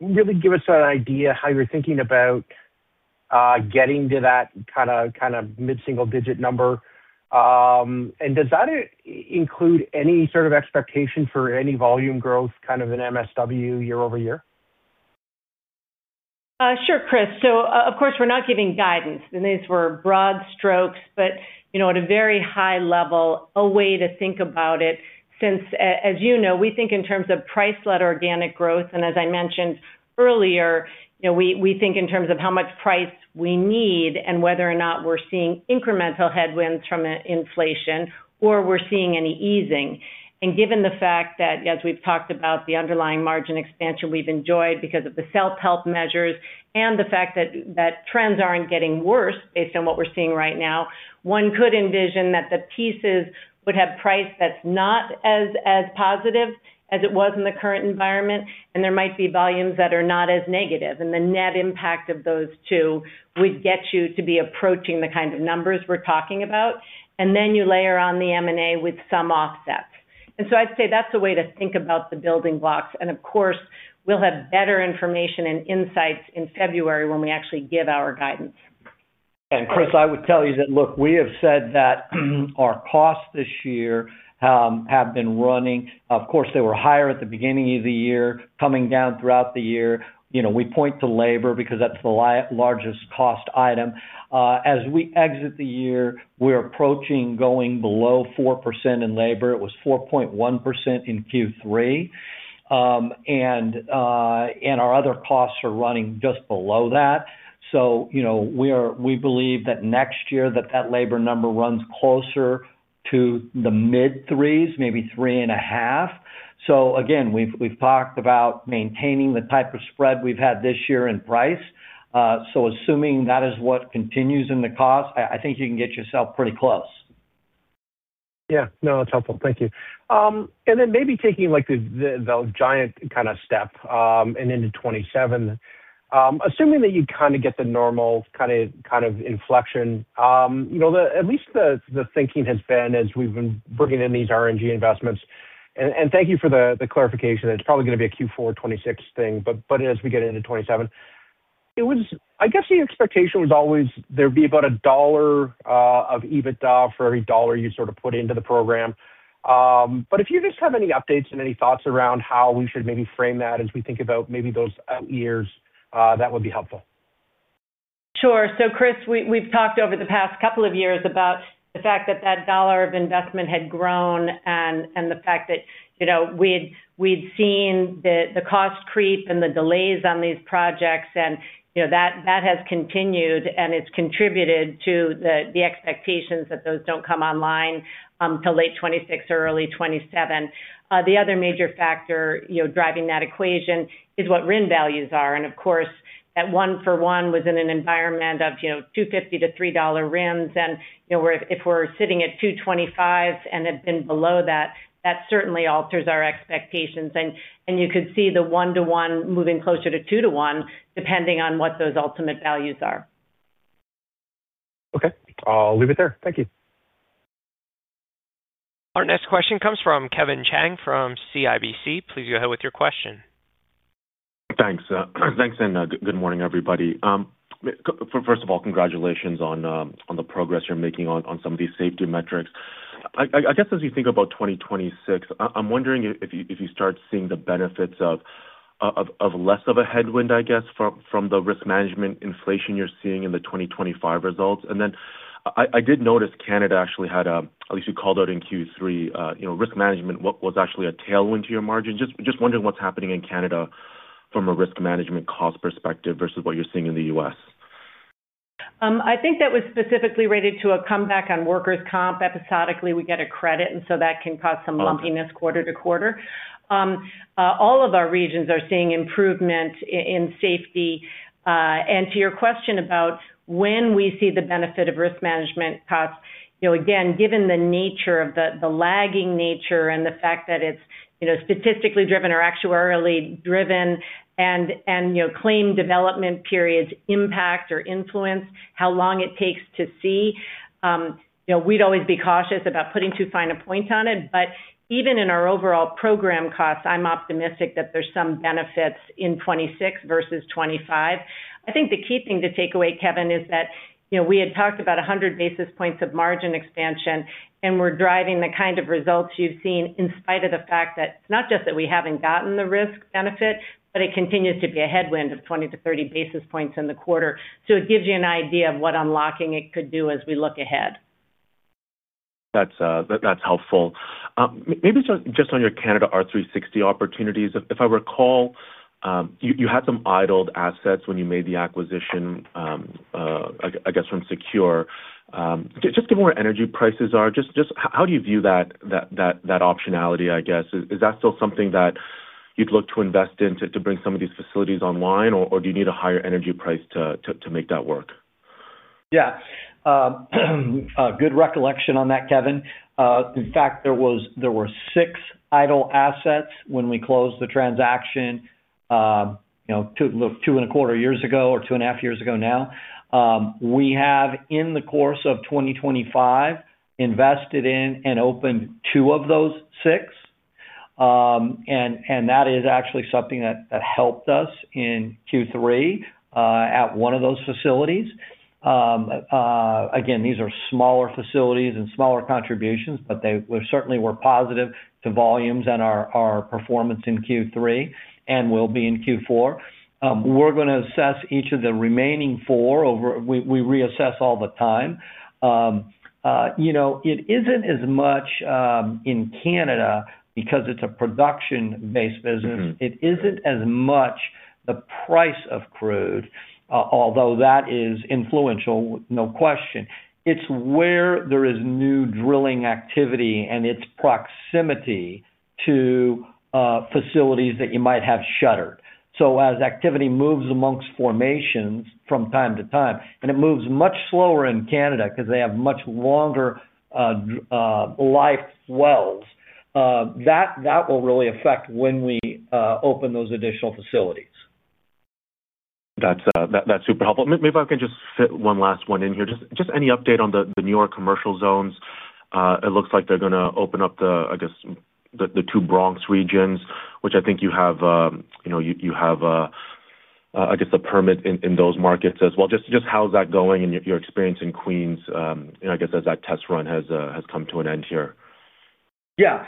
really give us an idea how you're thinking about getting to that kind of mid single digit number and does that include any sort of expectation for any volume growth kind of in MSW year over year? Sure, Chris. Of course we're not giving guidance and these were broad strokes, but you know, at a very high level a way to think about it, since as you know, we think in terms of price-led organic growth and as I mentioned earlier, we think in terms of how much price we need and whether or not we're seeing incremental headwinds from inflation or we're seeing any easing. Given the fact that, as we've talked about, the underlying margin expansion we've enjoyed because of the self-help measures and the fact that trends aren't getting worse, based on what we're seeing right now, one could envision that the pieces would have price that's not as positive as it was in the current environment. There might be volumes that are not as negative, and the net impact of those two would get you to be approaching the kind of numbers we're talking about. You layer on the M&A with some offsets. I'd say that's a way to think about the building blocks. Of course we'll have better information and insights in February when we actually give our guidance. Chris, I would tell you that, look, we have said that our costs this year have been running. Of course, they were higher at the beginning of the year, coming down throughout the year. You know, we point to labor because that's the largest cost item. As we exit the year, we're approaching going below 4% in labor. It was 4.1% in Q3, and our other costs are running just below that. We believe that next year that labor number runs closer to the mid 3s, maybe 3.5%. Again, we've talked about maintaining the type of spread we've had this year in price. Assuming that is what continues in the cost, I think you can get yourself pretty close. Yeah, no, that's helpful, thank you. Maybe taking the giant kind of step into 2027, assuming that you get the normal kind of inflection. At least the thinking has been as we've been bringing in these RNG investments. Thank you for the clarification, it's probably going to be a Q4 2026 thing. As we get into 2027, I guess the expectation was always there'd be about $1 of EBITDA for every $1 you sort of put into the program. If you have any updates and any thoughts around how we should maybe frame that as we think about those out years, that would be helpful. Chris, we've talked over the past couple of years about the fact that that dollar of investment had grown and the fact that we'd seen the cost creep and the delays on these projects, and that has continued. It's contributed to the expectations that those don't come online until late 2026 or early 2027. The other major factor driving that equation is what RIN values are. Of course, that one for one was in an environment of, you know, $2.50 to $3 RINs, and you know where if we're sitting at $2.25 and have been below that, that certainly alters our expectations. You could see the 1 to 1 moving closer to 2 to 1 depending on what those ultimate values are. Okay, I'll leave it there. Thank you. Our next question comes from Kevin Chang from CIBC. Please go ahead with your question. Thanks. Thanks and good morning everybody. First of all, congratulations on the progress you're making on some of these safety metrics. As you think about 2026, I'm wondering if you start seeing the benefits of less of a headwind from the risk management inflation you're seeing in the 2025 results. I did notice Canada actually had, at least you called out in Q3, risk management was actually a tailwind to your margin. Just wondering what's happening in Canada from a risk management cost perspective versus what you're seeing in the U.S., I think. That was specifically related to a comeback on workers comp. Episodically we get a credit, and that can cause some lumpiness quarter to quarter. All of our regions are seeing improvement in safety. To your question about when we see the benefit of risk management costs, again, given the lagging nature and the fact that it's statistically driven or actuarially driven and claim development periods impact or influence how long it takes to see, we'd always be cautious about putting too fine a point on it. Even in our overall program costs, I'm optimistic that there's some benefits in 2026 versus 2025. I think the key thing to take away, Kevin, is that we had talked about 100 basis points of margin expansion, and we're driving the kind of results you've seen in spite of the fact that it's not just that we haven't gotten the risk benefit, but it continues to be a headwind of 20 to 30 basis points in the quarter. It gives you an idea of what unlocking it could do as we look ahead. That's helpful. Maybe just on your Canada R360 opportunities. If I recall, you had some idled assets when you made the acquisition. I guess from Secure, just given where energy prices are, how do you view that optionality? Is that still something that you'd look to invest in to bring some of these facilities online, or do you need a higher energy price to make that work? Yeah, good recollection on that, Kevin. In fact, there were six idle assets when we closed the transaction two and a quarter years ago or two and a half years ago. Now we have in the course of 2025 invested in and opened two of those six. That is actually something that helped us in Q3 at one of those facilities. These are smaller facilities and smaller contributions, but they certainly were positive to volumes and our performance in Q3 and will be in Q4. We're going to assess each of the remaining four. We reassess all the time. It isn't as much in Canada because it's a production-based business. It isn't as much the price of crude, although that is influential, no question. It's where there is new drilling activity and its proximity to facilities that you might have shuttered. As activity moves amongst formations from time to time and it moves much slower in Canada because they have much longer life wells, that will really affect when we open those additional facilities. That's super helpful. Maybe I can just fit one last one in here. Just any update on the New York commercial zones? It looks like they're going to open up, I guess the two Bronx regions, which I think you have, you know, you have, I guess, the permit in those markets as well. Just how's that going and your experience in Queens, I guess, as that test run has come to an end here. Yeah,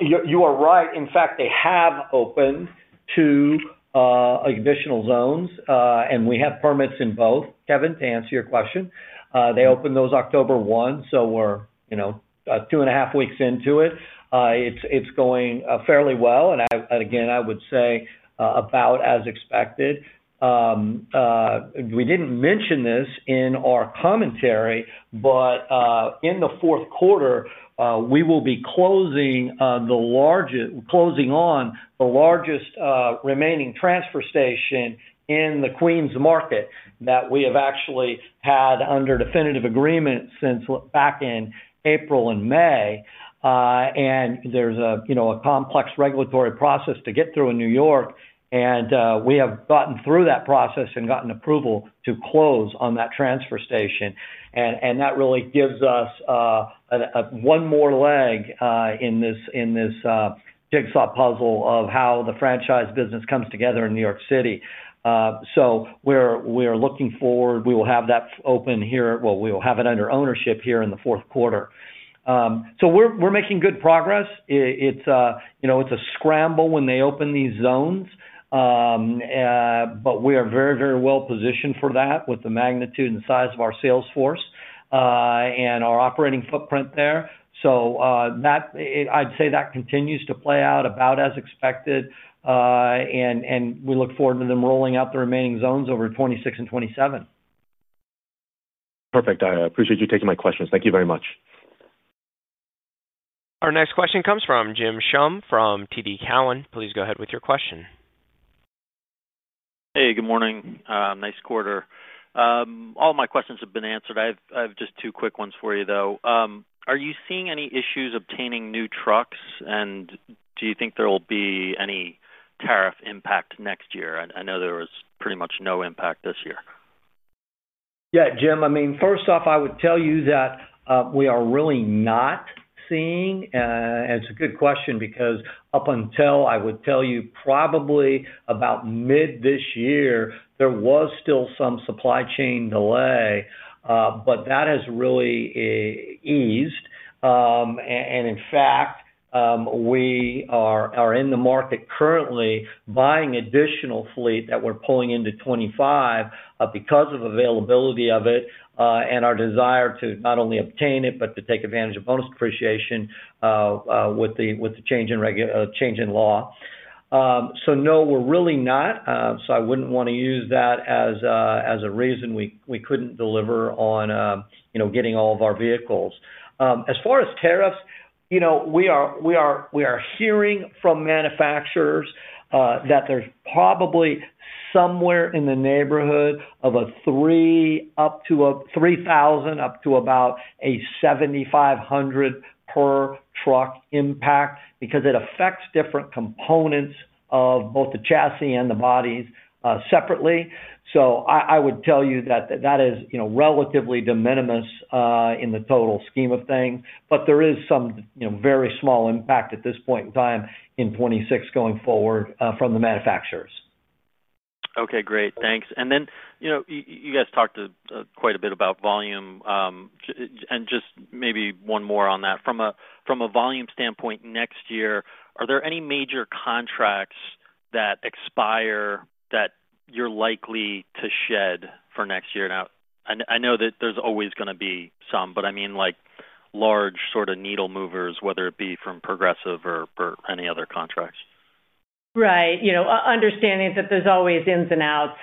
you are right. In fact, they have opened two additional zones and we have permits in both. Kevin, to answer your question, they opened those October 1st. We're two and a half weeks into it. It's going fairly well and again I would say about as expected. We didn't mention this in our commentary, but in the fourth quarter we will be closing on the largest remaining transfer station in the Queens market that we have actually had under definitive agreement since back in April and May. There's a complex regulatory process to get through in New York and we have gotten through that process and gotten approval to close on that transfer station. That really gives us one more leg in this jigsaw puzzle of how the franchise business comes together in New York City. We are looking forward. We will have that under ownership here in the fourth quarter. We're making good progress. It's a scramble when they open these zones, but we are very, very well positioned for that with the magnitude and size of our sales force and our operating footprint there. I'd say that continues to play out about as expected and we look forward to them rolling out the remaining zones over 2026 and 2027. Perfect. I appreciate you taking my questions. Thank you very much. Our next question comes from James Schumm from TD Cowen. Please go ahead with your question. Hey, good morning. Nice quarter. All my questions have been answered. I have just two quick ones for you though. Are you seeing any issues obtaining new trucks, and do you think there will be any tariff impact next year? I know there was pretty much no impact this year. Yeah, Jim, I mean, first off, I would tell you that we are really not seeing, and it's a good question because up until I would tell you probably about mid this year, there was still some supply chain delay, but that has really eased. In fact, we are in the market currently buying additional fleet that we're pulling into 2025 because of availability of it and our desire to not only obtain it but to take advantage of bonus depreciation with the change in law. No, we're really not. I wouldn't want to use that as a reason we couldn't deliver on getting all of our vehicles. As far as tariffs, we are hearing from manufacturers that there's probably somewhere in the neighborhood of $3,000 up to about a $7,500 per truck impact because it affects different components of both the chassis and the bodies separately. I would tell you that that is relatively de minimis in the total scheme of things, but there is some very small impact at this point in time in 2026 going forward from the manufacturers. Okay, great, thanks. You guys talked quite a bit about volume and just maybe one more on that from a volume standpoint next year. Are there any major contracts that expire that you're likely to shed for next year? I know that there's always going to be some, but I mean like large sort of needle movers, whether it be from Progressive or any other contracts. Right. You know, understanding that there's always ins and outs.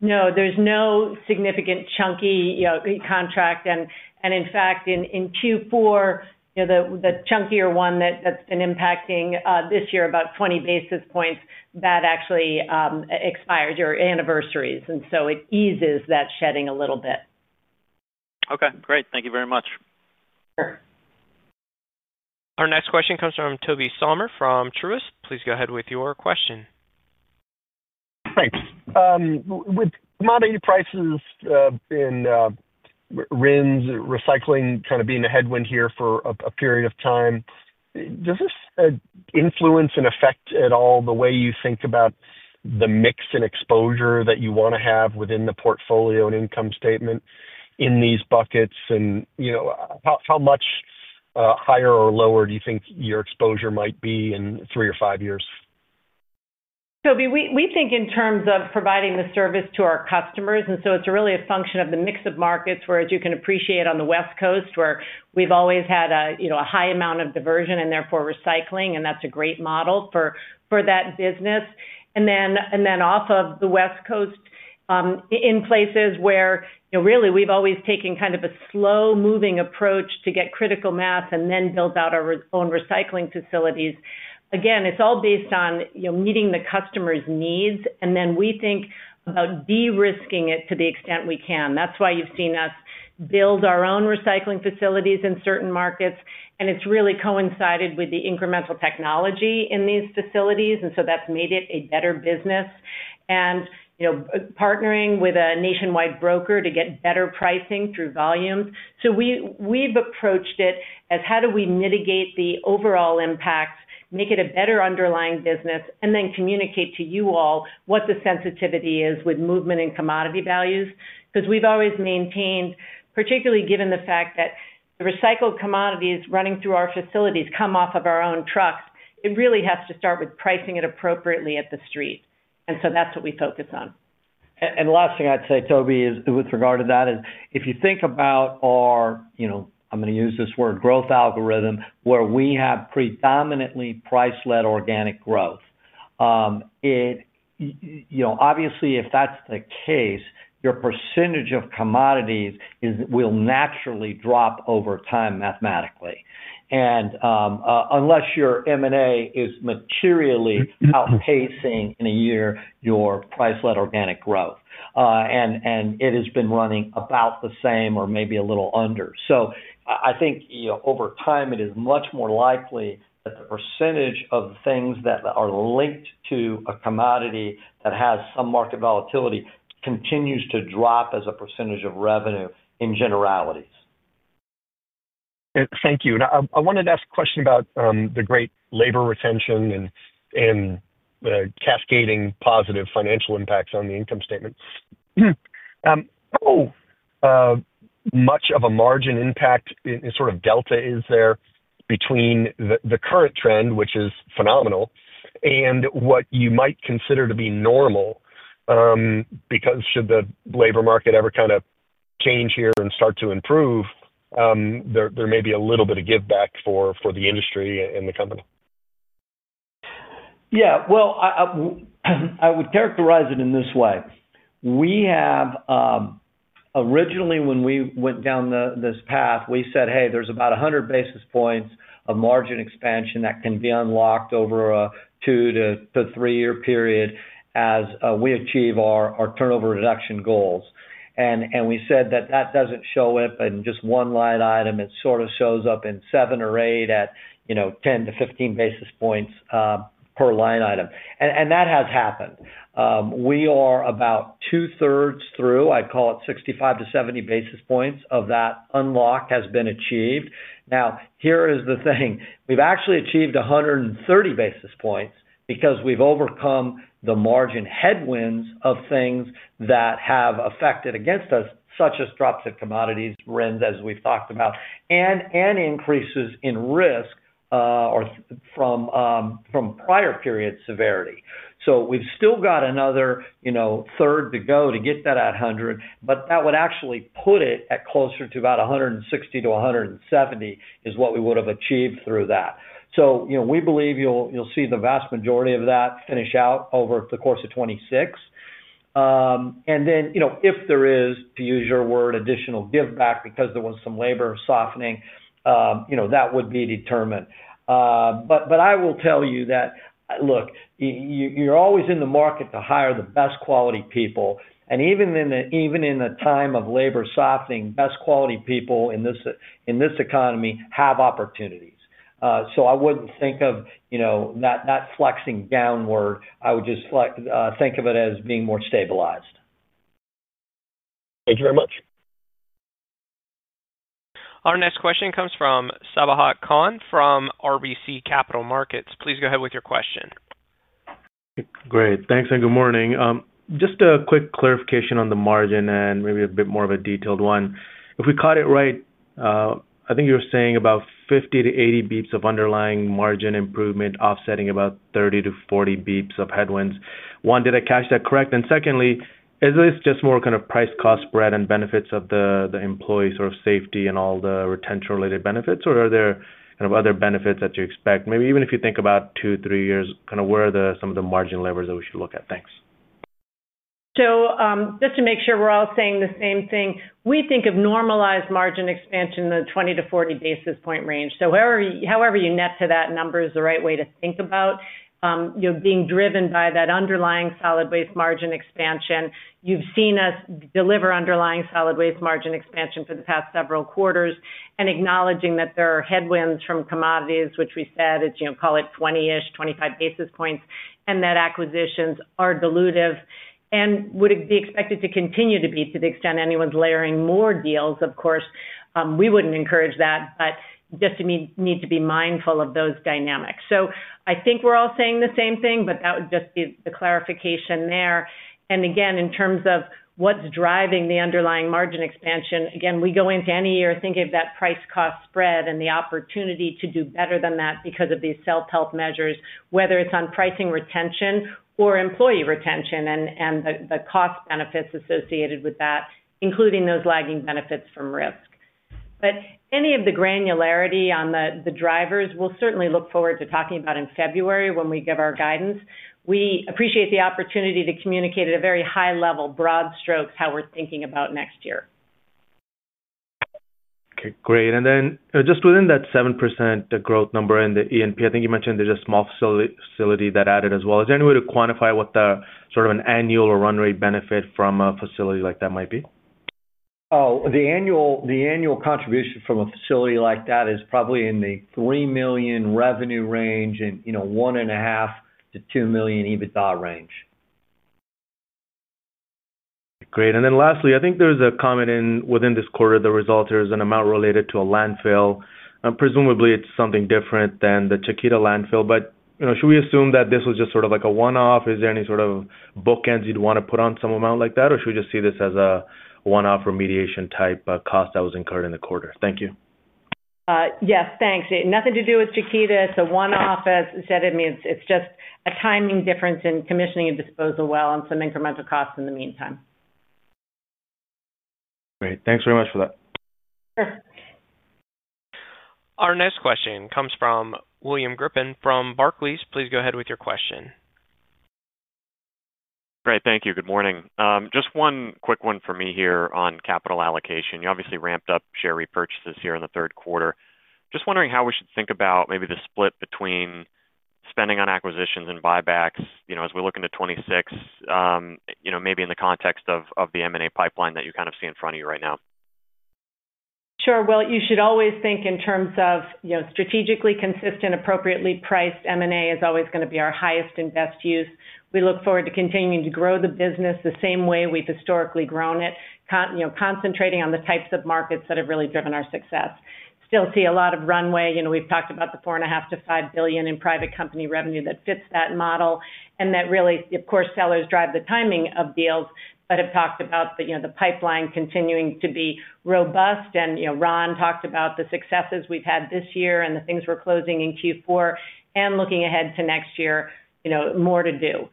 No, there's no significant chunky contract. In fact, in Q4, the chunkier one that's been impacting this year about 20 basis points actually expires or anniversaries, and it eases that shedding a little bit. Okay, great. Thank you very much. Our next question comes from Toby Sommer from Truist. Please go ahead with your question. Thanks. With commodity prices in rinse, recycling kind of being a headwind here for a period of time, does this influence and affect at all the way you think about the mix and exposure that you want to have within the portfolio and income statement in these buckets, and you know, how much higher or lower do you think your exposure might be in three or five years, Toby? We think in terms of providing the service to our customers, and so it's really a function of the mix of markets. You can appreciate on the West Coast where we've always had a high amount of diversion and therefore recycling, and that's a great model for that business. Off of the West Coast in places where we've always taken kind of a slow-moving approach to get critical mass and then build out our resources, own recycling facilities. Again, it's all based on meeting the customer's needs. We think about de-risking it to the extent we can. That's why you've seen us build our own recycling facilities in certain markets, and it's really coincided with the incremental technology in these facilities. That's made it a better business, and partnering with a nationwide broker to get better pricing through volumes. We've approached it as how do we mitigate the overall impact, make it a better underlying business, and then communicate to you all what the sensitivity is with movement in commodity values. We've always maintained, particularly given the fact that the recycled commodities running through our facilities come off of our own trucks, it really has to start with pricing it appropriately at the street. That's what we focus on. The last thing I'd say, Toby, is with regard to that, if you think about our, you know, going to use this word, growth algorithm, where we have predominantly price-led organic growth, obviously if that's the case, your percentage of commodities will naturally drop over time mathematically. Unless your M&A is materially outpacing in a year your price-led organic growth, and it has been running about the same or maybe a little under. I think over time it is much more likely that the percentage of things that are linked to a commodity that has some market volatility continues to drop as a percentage of revenue in generalities. Thank you. I wanted to ask a question about the great labor retention and cascading positive financial impacts on the income statement. How much of a margin impact, sort of delta, is there between the current trend, which is phenomenal, and what you might consider to be normal? Because should the labor market ever kind of change here and start to improve, there may be a little bit of give back for the industry and the company. Yeah, I would characterize it in this way. We have originally, when we went down this path, we said, hey, there's about 100 basis points of margin expansion that can be unlocked over a two to three year period as we achieve our turnover reduction goals. We said that doesn't show up in just one line item. It sort of shows up in seven or eight at 10 to 15 basis points per line item. That has happened. We are about two-thirds through, I call it 65 to 70 basis points of that unlock has been achieved. Now, here is the thing. We've actually achieved 130 basis points because we've overcome the margin headwinds of things that have affected against us, such as drops of commodities, as we've talked about, and increases in risk or from prior period severity. We've still got another third to go to get that 100, but that would actually put it at closer to about 160 to 170 is what we would have achieved through that. We believe you'll see the vast majority of that finish out over the course of 2026, and then if there is, to use your word, additional give back because there was some labor softening, you know, that would be determined. I will tell you that, look, you're always in the market to hire the best quality people. Even in a time of labor softening, best quality people in this economy have opportunities. I wouldn't think of not flexing downward. I would just think of it as being more stabilized. Thank you very much. Our next question comes from Sabahat Khan from RBC Capital Markets. Please go ahead with your question. Great, thanks and good morning. Just a quick clarification on the margin and maybe a bit more of a detailed one. If we caught it right, I think you're saying about 50 to 80 basis points of underlying margin improvement offsetting about 30 to 40 basis points of headwinds. One, did I catch that correct? Secondly, is this just more kind of price cost spread and benefits of the employee sort of safety and all the retention related benefits, or are there other benefits that you expect? Maybe even if you think about two, three years, kind of where are some of the margin levers that we should look at? Thanks. Just to make sure we're all saying the same thing, we think of normalized margin expansion in the 20 to 40 basis point range. However you net to that number is the right way to think about it. You're being driven by that underlying solid waste margin expansion. You've seen us deliver underlying solid waste margin expansion for the past several quarters. Acknowledging that there are headwinds from commodities, which we said is, call it, 20ish, 25 basis points, and that acquisitions are dilutive and would be expected to continue to be to the extent anyone's layering more deals. Of course, we wouldn't encourage that, but just need to be mindful of those dynamics. I think we're all saying the same thing, but that would just be the clarification there. Again, in terms of what's driving the underlying margin expansion, we go into any year thinking of that price, cost spread and the opportunity to do better than that because of these self help measures, whether it's on pricing retention or employee retention and the cost benefits associated with that, including those lagging benefits from risk. Any of the granularity on the drivers, we'll certainly look forward to talking about in February when we give our guidance. We appreciate the opportunity to communicate at a very high level, broad strokes, how we're thinking about next year. Okay, great. Within that 7% growth number in the E&P, I think you mentioned there's a small facility that added as well. Is there any way to quantify what the sort of an annual or run rate benefit from a facility like that might be? Oh, the annual contribution from a facility like that is probably in the $3 million revenue range, and you know, $1.5 million to $2 million EBITDA range. Great. Lastly, I think there's a comment within this quarter the result is an amount related to a landfill. Presumably it's something different than the Chiquita Canyon landfill. Should we assume that this was just sort of like a one off? Is there any sort of bookends you'd want to put on some amount like that? Or should we just see this as a one off remediation type cost that was incurred in the quarter? Thank you. Yes, thanks. Nothing to do with Chiquita Canyon. It's a one off. As said, it's just a timing difference in commissioning a disposal well and some incremental costs in the meantime. Great, thanks very much for that. Our next question comes from William Griffin from Barclays. Please go ahead with your question. Great, thank you. Good morning. Just one quick one for me here on capital allocation. You obviously ramped up share repurchases here in the third quarter. Just wondering how we should think about maybe the split between spending on acquisitions and buybacks as we look into 2026, maybe in the context of the M&A pipeline that you see in front of you right now. You should always think in terms of strategically consistent, appropriately priced M&A as always going to be our highest and best use. We look forward to continuing to grow the business the same way we've historically grown it, concentrating on the types of markets that have really driven our success. Still see a lot of runway. We've talked about the $4.5 to $5 billion in private company revenue that fits that model, and that really, of course, sellers drive the timing of deals, but have talked about the pipeline continuing to be robust. Ron talked about the successes we've had this year and the things we're closing in Q4 and looking ahead to next year, more to do.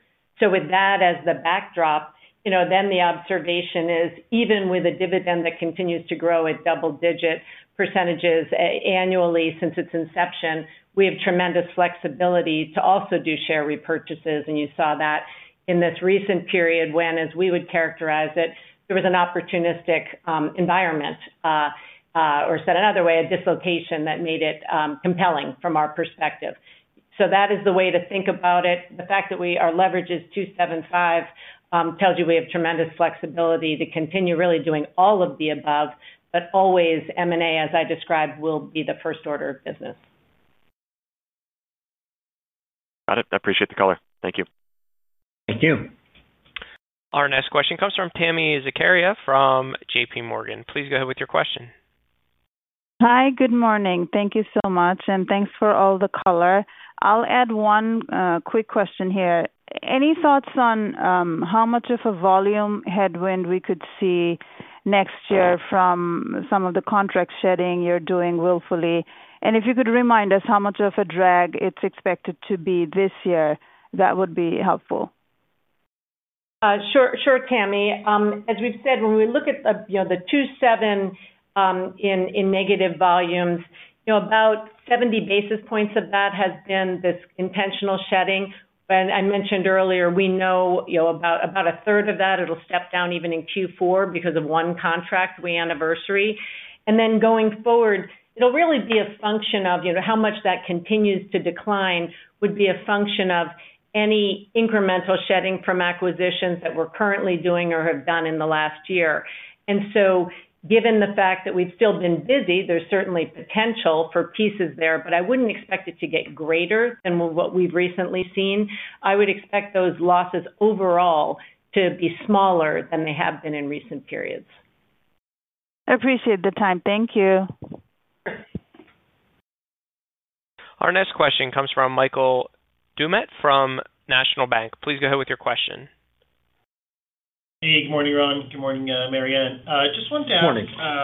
With that as the backdrop, the observation is even with a dividend that continues to grow at double-digit % annually since its inception, we have tremendous flexibility to also do share repurchases. You saw that in this recent period when, as we would characterize it, there was an opportunistic environment, or said another way, a dislocation that made it compelling from our perspective. That is the way to think about it. The fact that our leverage is 2.75 tells you we have tremendous flexibility to continue really doing all of the above. M&A, as I described, will be the first order of business. Got it. I appreciate the color. Thank you. Thank you. Our next question comes from Tammy Zakaria from JPMorgan. Please go ahead with your question. Hi, good morning. Thank you so much and thanks for all the color. I'll add one quick question here. Any thoughts on how much of a volume headwind we could see next year from some of the contract shedding you're doing willfully, and if you could remind us how much of a drag it's expected to be this year, that would be helpful. Sure. Tammy, as we've said, when we look at the 2.7% in negative volumes, about 70 basis points of that has been this intentional shedding I mentioned earlier. We know about a third of that. It'll step down even in Q4 because of one contract we anniversary, and then going forward it'll really be a function of how much that continues to decline. It would be a function of any incremental shedding from acquisitions that we're currently doing or have done in the last year. Given the fact that we've still been busy, there's certainly potential for pieces there. I wouldn't expect it to get greater than what we've recently seen. I would expect those losses overall to be smaller than they have been in recent periods. I appreciate the time. Thank you. Our next question comes from Michael Doumet from National Bank. Please go ahead with your question. Hey, good morning, Ron. Good morning, Mary Anne. Just wanted to ask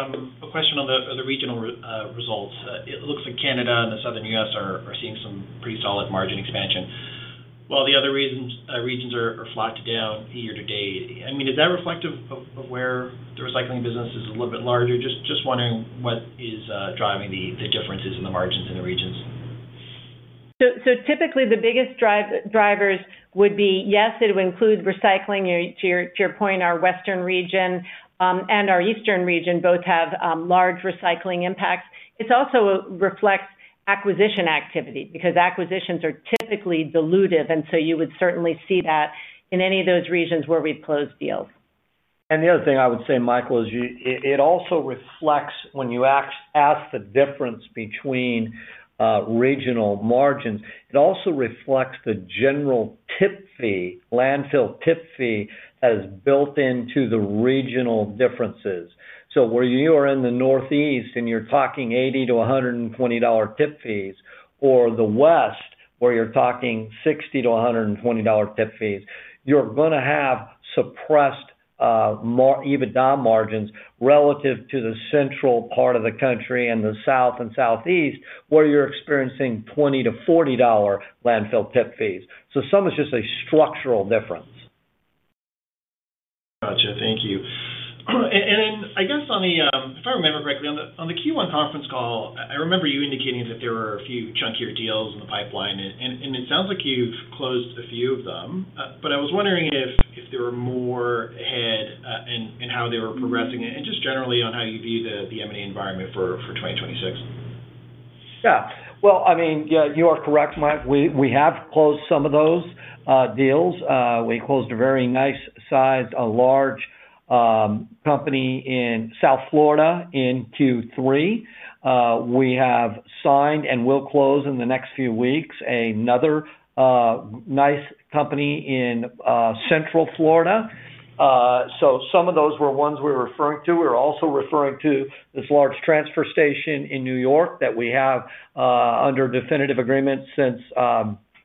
a question on the regional results. It looks like Canada and the southern U.S. are seeing some pretty solid margin expansion while the other regions are flat to down year to date. I mean, is that reflective of where the recycling business is a little bit larger? Just wondering what is driving the differences in the margins in the regions. Typically, the biggest drivers would be yes, it would include recycling. To your point, our Western region and our Eastern region both have large recycling impacts. It also reflects acquisition activity because acquisitions are typically dilutive, and you would certainly see that in any of those regions where we've closed deals. The other thing I would say, Michael, is it also reflects, when you ask the difference between regional margins, it also reflects the general tip fee, landfill tip fee, that is built into the regional differences. Where you are in the Northeast and you're talking $80 to $120 tip fees, or the West where you're talking $60 to $120 tip fees, you're going to have suppressed EBITDA margins relative to the central part of the country and the South and Southeast where you're experiencing $20 to $40 landfill tip fees. Some is just a structural difference. Gotcha. Thank you. I guess if I remember correctly on the Q1 conference call, I remember you indicating that there were a few chunkier deals in the pipeline and it sounds like you've closed a few of them, but I was wondering if there were more ahead and how they were progressing and just generally on how you view the M&A environment for 2026. Yeah. You are correct, Mike. We have closed some of those deals. We closed a very nice sized large company in South Florida in Q3. We have signed and will close in the next few another nice company in Central Florida. Some of those were ones we were referring to. We were also referring to this large transfer station in New York that we have under definitive agreement since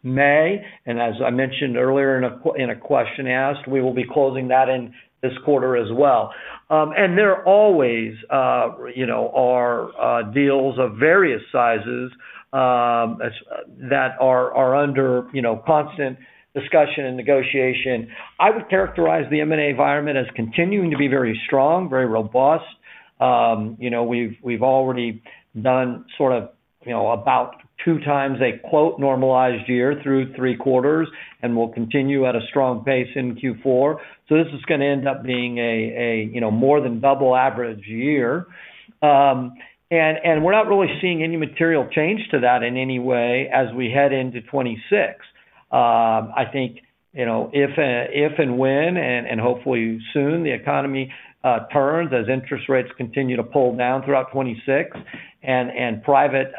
May. As I mentioned earlier in a question asked, we will be closing that in this quarter as well. There always are deals of various sizes that are under constant discussion and negotiation. I would characterize the M&A environment as continuing to be very strong, very robust. We've already done sort of about two times a, quote, normalized year through three quarters and will continue at a strong pace in Q4. This is going to end up being more than double an average year and we're not really seeing any material change to that in any way as we head into 2026. I think if and when, and hopefully soon, the economy turns as interest rates continue to pull down throughout 2026 and private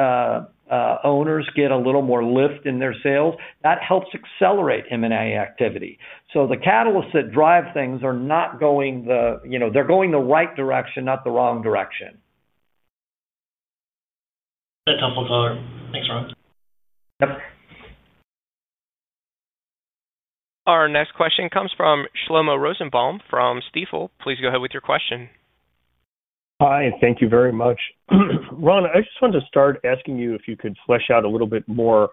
owners get a little more lift in their sales, that helps accelerate M&A activity. The catalysts that drive things are not going. They're going the right direction, not the wrong direction. Our next question comes from Shlomo Rosenbaum from Stifel. Please go ahead with your question. Hi. Thank you very much, Ron. I just wanted to start asking you if you could flesh out a little bit more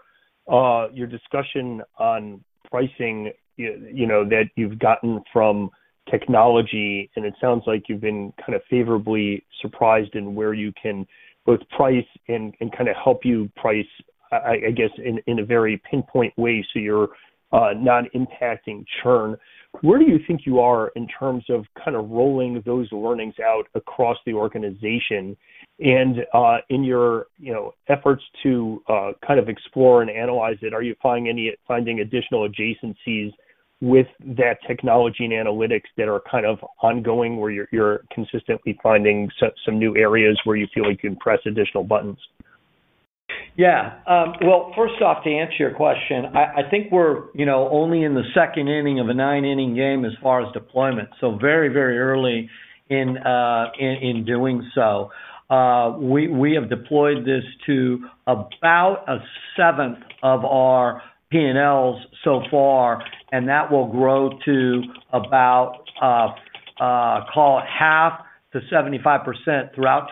your discussion on pricing, you know, that you've gotten from technology. It sounds like you've been kind of favorably surprised in where you can both price and kind of help you price, I guess, in a very pinpoint way, so you're not impacting churn. Where do you think you are in terms of kind of rolling those learnings out across the organization, and in your efforts to kind of explore and analyze it, are you finding any additional adjacencies with that technology and analytics that are ongoing where you're consistently finding some new areas where you feel like you can press additional buttons? Yeah. First off, to answer your question, I think we're only in the second inning of a nine inning game as far as deployment. Very, very early in doing so. We have deployed this to about a seventh of our P&Ls so far, and that will grow to about, call it, half to 75% throughout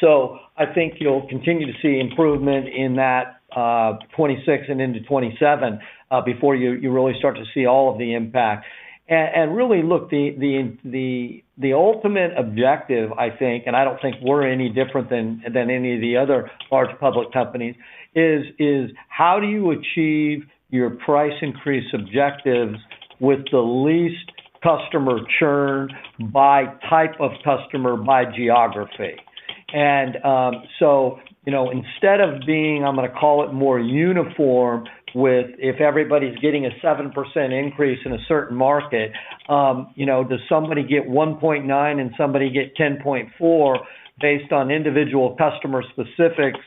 2026. I think you'll continue to see improvement in 2026 and into 2027 before you really start to see all of the impact. The ultimate objective, I think, and I don't think we're any different than any of the other large public companies, is how do you achieve your price increase objectives with the least customer churn by type of customer by geography. Instead of being, I'm going to call it, more uniform with if everybody's getting a 7% increase in a certain market, does somebody get 1.9% and somebody get 10% based on individual customer specifics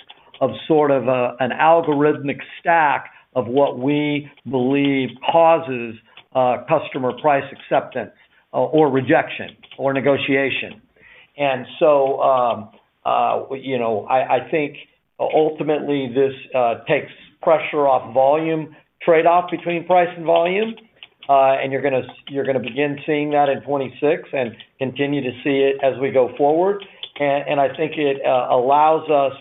of sort of an algorithmic stack of what we believe causes customer price acceptance or rejection or negotiation. Ultimately, this takes pressure off volume, trade off between price and volume, and you're going to begin seeing that in 2026 and continue to see it as we go forward. I think it allows us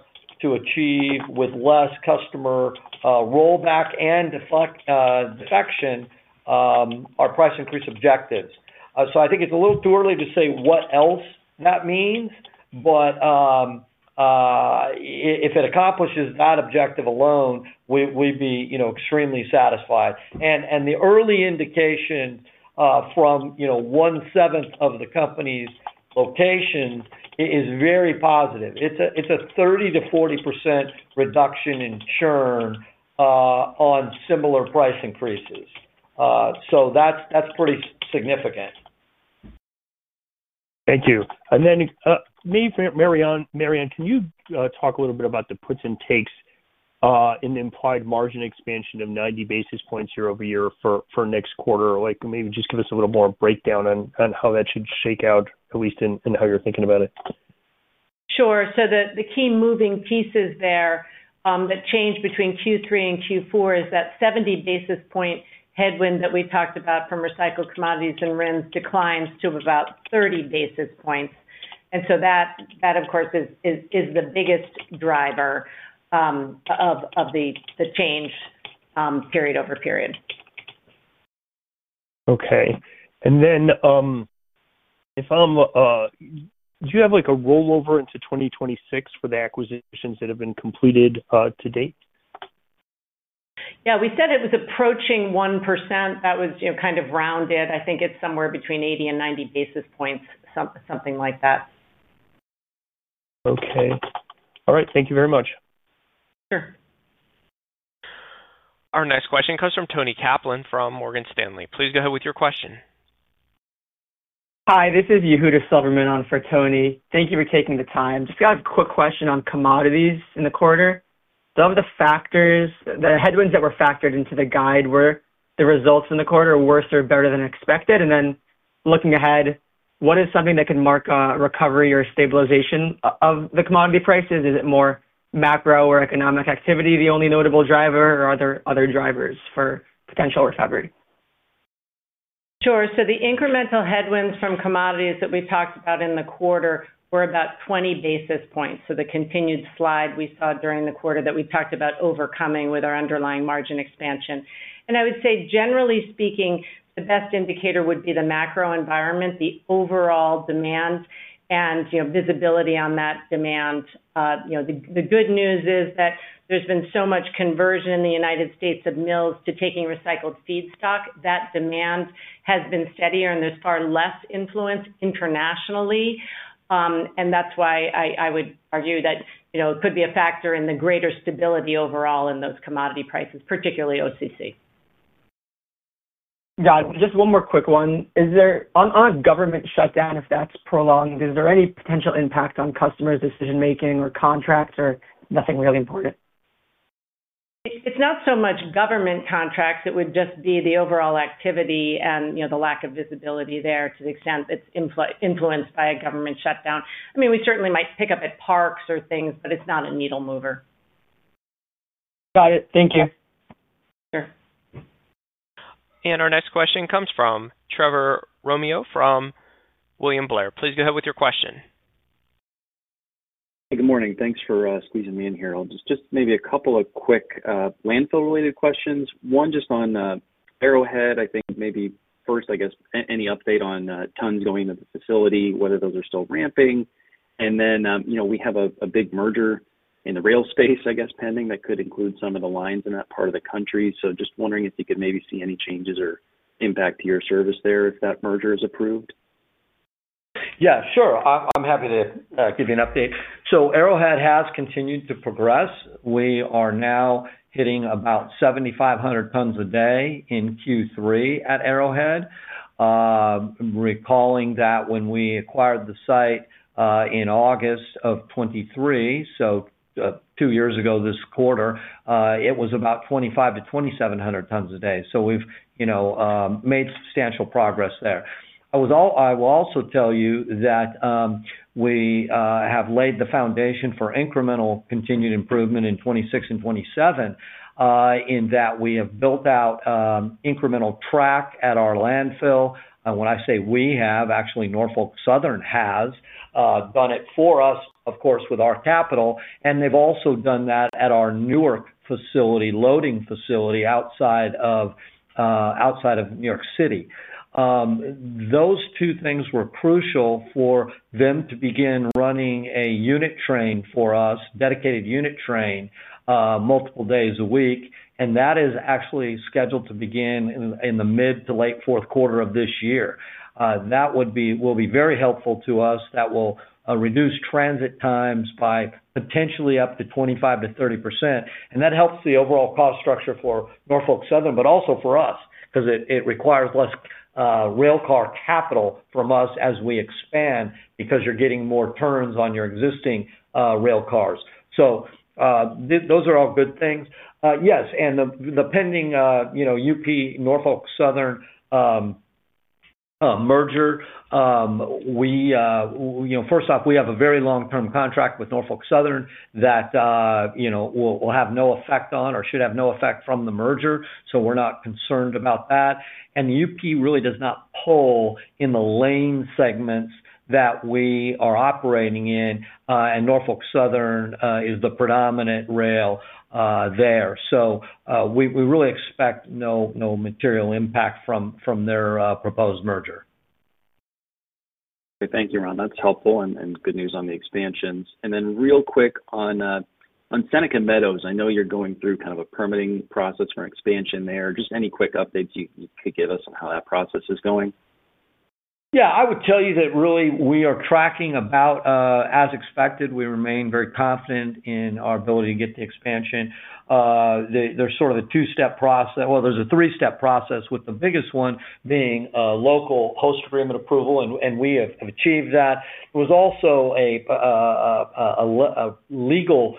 to achieve, with less customer rollback and defection, our price increase objectives. I think it's a little too early to say what else that means, but if it accomplishes that objective alone, we'd be extremely satisfied. The early indication from one-seventh of the company's locations is very positive. It's a 30% to 40% reduction in churn on similar price increases. That's pretty significant. Thank you. Mary Anne, can you talk a little bit about the puts and takes in the implied margin expansion of 90 basis points year over year for next quarter? Maybe just give us a little more breakdown on how that should shake out, at least in how you're thinking about it. Sure. The key moving pieces there that change between Q3 and Q4 is that 70 basis point headwind that we talked about from recycled commodities and RINs declines to about 30 basis points. That, of course, is the biggest driver of the change period over period. Okay. Do you have like a rollover into 2026 for the acquisitions that have been completed to date? Yeah, we said it was approaching 1%. That was kind of rounded. I think it's somewhere between 80 and 90 basis points, something like that. Okay. All right. Thank you very much. Sure. Our next question comes from Tony Kaplan from Morgan Stanley. Please go ahead with your question. Hi, this is Yehuda Silverman on for Tony. Thank you for taking the time. Just got a quick question on commodities in the quarter. Some of the factors, the headwinds that were factored into the guide, were the. Results in the quarter worse or better than expected? Looking ahead, what is something that can mark recovery or stabilization of the commodity prices? Is it more macro or economic activity? The only notable driver, or are there? Other drivers for potential recovery? Sure. The incremental headwinds from commodities that we talked about in the quarter were about 20 basis points. The continued slide we saw during the quarter that we talked about overcoming with our underlying margin expansion, and I would say generally speaking, the best indicator would be the macro environment, the overall demand and visibility on that demand. The good news is that there's been so much conversion in the U.S. of mills to taking recycled feedstock that demand has been steadier and there's far less influence internationally. That's why I would argue that it could be a factor in the greater stability overall in those commodity prices, particularly OCC. Got it. Just one more quick one on a government shutdown. If that's prolonged, is there? Any potential impact on customer decision making or contracts or nothing really important. It's not so much government contracts. It would just be the overall activity and the lack of visibility there. To the extent that's influenced by a government shutdown, we certainly might pick up at parks or things, but it's not a needle mover. Got it. Thank you. Sure. Our next question comes from Trevor Romeo from William Blair. Please go ahead with your question. Good morning. Thanks for squeezing me in here. Just maybe a couple of quick landfill related questions. One just on Arrowhead, I think maybe first, I guess any update on tons going to the facility, whether those are still ramping, and then, you know, we have a big merger in the rail space, I guess pending, that could include some of the lines in that part of the country. Just wondering if you could maybe see any changes or impact to your service there if that merger is approved. Yeah, sure. I'm happy to give you an update. Arrowhead has continued to progress. We are now hitting about 7,500 tons a day in Q3 at Arrowhead. Recalling that when we acquired the site in August of 2023, two years ago this quarter, it was about 2,500 to 2,700 tons a day. We made substantial progress there. I will also tell you that we have laid the foundation for incremental continued improvement in 2026 and 2027 in that we have built out incremental track at our landfill. When I say we have, actually Norfolk Southern has done it for us, of course, with our capital. They've also done that at our newer loading facility outside of New York City. Those two things were crucial for them to begin running a unit train for us, dedicated unit train, multiple days a week. That is actually scheduled to begin in the mid to late fourth quarter of this year. That will be very helpful to us. That will reduce transit times by potentially up to 25 to 30%. That helps the overall cost structure for Norfolk Southern, but also for us because it requires less railcar capital from us as we expand because you're getting more turns on your existing railcars. Those are all good things. Yes. The pending UP Norfolk Southern merger, first off, we have a very long term contract with Norfolk Southern that will have no effect on or should have no effect from the merger. We're not concerned about that. The UP really does not pull in the lane segments that we are operating in. Norfolk Southern is the predominant rail there. We really expect no material impact from their proposed merger. Thank you, Ron. That's helpful and good news on the expansions. Real quick on Seneca Meadows, I know you're going through kind of a permitting process for expansion there. Just any quick updates you could give us on how that process is going? Yeah, I would tell you that really we are tracking about as expected. We remain very confident in our ability to get the expansion. There's sort of a two step process. There's a three step process with the biggest one being local host agreement approval, and we have achieved that. There was also a legal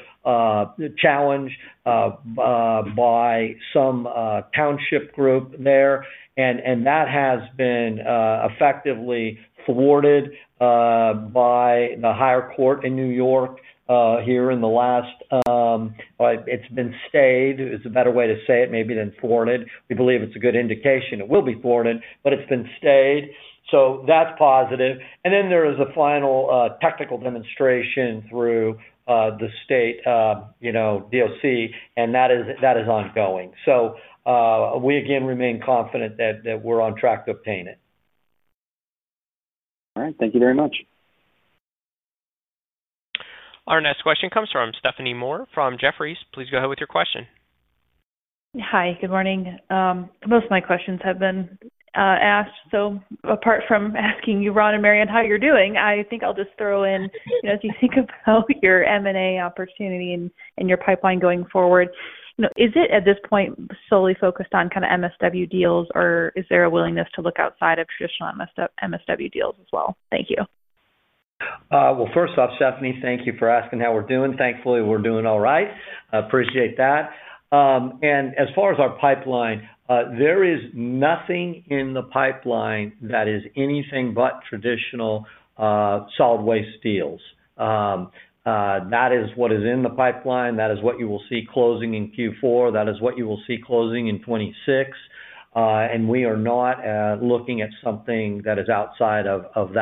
challenge by some township group there, and that has been effectively stayed by the higher court in New York here in the last. It's been stayed is a better way to say it maybe than thwarted. We believe it's a good indication it will be forwarded, but it's been stayed. That's positive. There is a final technical demonstration through the state, you know, Doc. That is ongoing. We again remain confident that we're on track to obtain it. All right, thank you very much. Our next question comes from Stephanie Moore from Jefferies. Please go ahead with your question. Hi, good morning. Most of my questions have been asked. Apart from asking you, Ron and Mary Anne, how you're doing, I think I'll just throw in, as you think about your M&A opportunity and your pipeline going forward, is it at this point solely focused on kind of MSW deals, or is there a willingness to look outside of traditional MSW deals as well? Thank you. First off, Stephanie, thank you for asking how we're doing. Thankfully, we're doing all right. Appreciate that. As far as our pipeline, there is nothing in the pipeline that is anything but traditional solid waste deals. That is what is in the pipeline. That is what you will see closing in Q4. That is what you will see closing in 2026. We are not looking at something that is outside of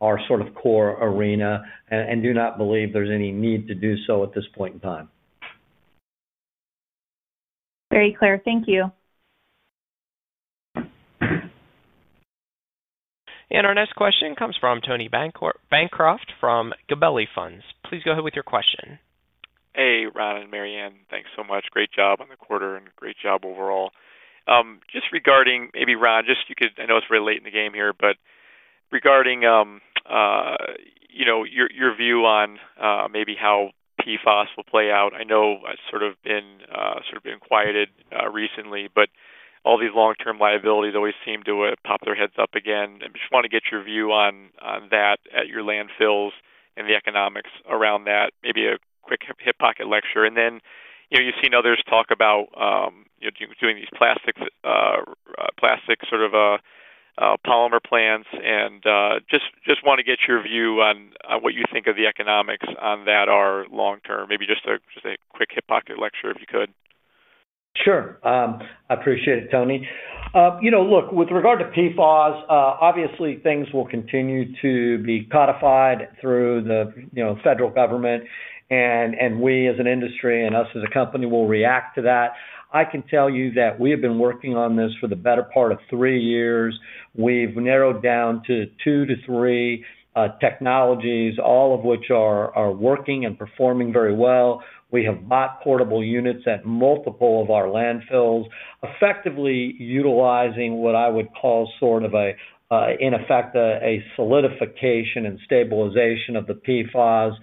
our sort of core arena and do not believe there is any need to do so at this point in time. Very clear. Thank you. Our next question comes from Tony Bancroft from Gabelli Funds. Please go ahead with your question. Hey Ron and Mary Anne, thanks so much. Great job on the quarter and great job overall. Just regarding maybe Ron, I know it's really late in the game here, but regarding your view on maybe how PFAS will play out, I know it's sort of been quieted recently, but all these long term liabilities always seem to pop their heads up again. I just want to get your view on that at your landfills and the economics around that. Maybe a quick hip pocket lecture. You've seen others talk about doing these plastic sort of polymer plants and just want to get your view on what you think the economics on that are long term. Maybe just a quick hip pocket lecture, if you could. Sure, I appreciate it, Tony. With regard to PFAS, obviously things will continue to be codified through the federal government and we as an industry, and us as a company, will react to that. I can tell you that we have been working on this for the better part of three years. We've narrowed down to two to three technologies, all of which are working and performing very well. We have bought portable units at multiple of our landfills, effectively utilizing what I would call, in effect, a solidification and stabilization of the PFAS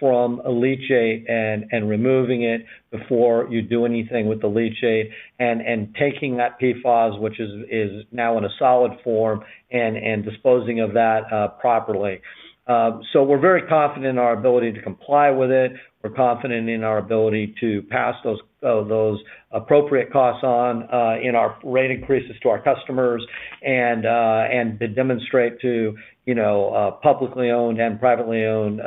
from a leachate and removing it before you do anything with the leachate and taking that PFAS, which is now in a solid form, and disposing of that properly. We're very confident in our ability to comply with it. We're confident in our ability to pass those appropriate costs on, in our rate increases to our customers, and demonstrate to publicly owned and privately owned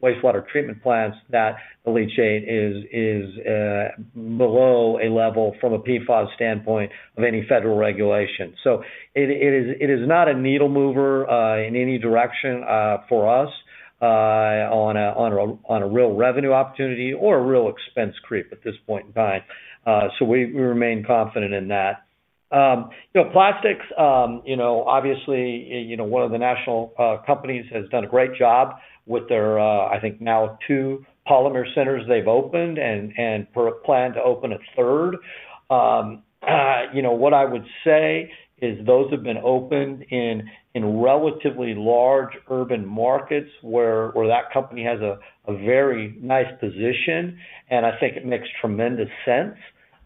wastewater treatment plants that the leachate is below a level from a PFAS standpoint of any federal regulation. It is not a needle mover in any direction for us on a real revenue opportunity or a real expense creep at this point in time. We remain confident in that. Plastics, obviously, one of the national companies has done a great job with their, I think now, two polymer centers. They've opened and planned to open a third. What I would say is those have been opened in relatively large urban markets where that company has a very nice position. I think it makes tremendous sense.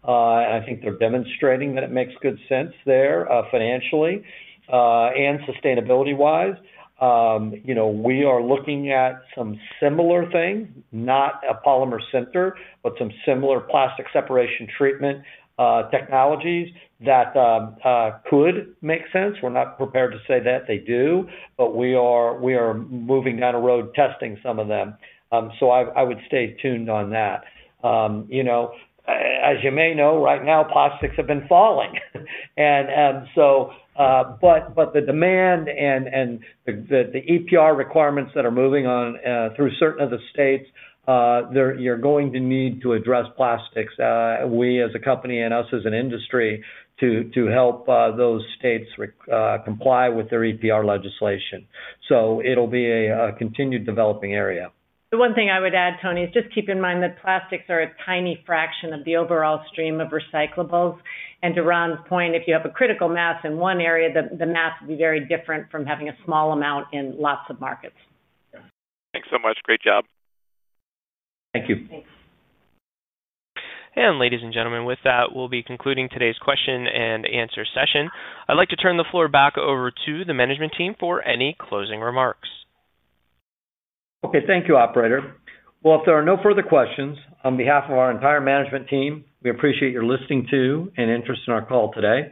I think they're demonstrating that it makes good sense there financially and sustainability wise. We are looking at some similar things, not a polymer center, but some similar plastic separation treatment technologies that could make sense. We're not prepared to say that they do, but we are moving down a road testing some of that. I would stay tuned on that. As you may know right now, plastics have been falling. The demand and the EPR requirements that are moving on through certain of the states, you're going to need to address plastics, we as a company, and us as an industry, to help those states comply with their EPR legislation. It will be a continued developing area. The one thing I would add, Tony, is just keep in mind that plastics are a tiny fraction of the overall stream of recyclables, and to Ron's point, if you have a critical mass in one area, the mass would be very different from having a small amount in lots of markets. Thanks so much. Great job. Thank you. Ladies and gentlemen, with that, we'll be concluding today's question and answer session. I'd like to turn the floor back over to the management team for any closing remarks. Thank you, operator. If there are no further questions, on behalf of our entire management team, we appreciate your listening to and interest in our call today.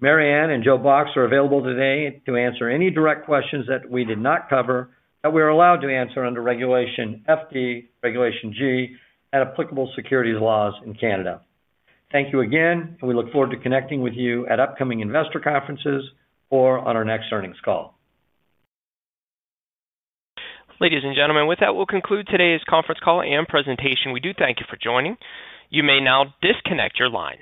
Mary Anne Whitney and Joe Box are available today to answer any direct questions that we did not cover that we are allowed to answer under Regulation FD, Regulation G, and applicable securities laws in Canada. Thank you again and we look forward to connecting with you at upcoming investor conferences or on our next earnings call. Ladies and gentlemen, with that, we'll conclude today's conference call and presentation. We do thank you for joining. You may now disconnect your lines.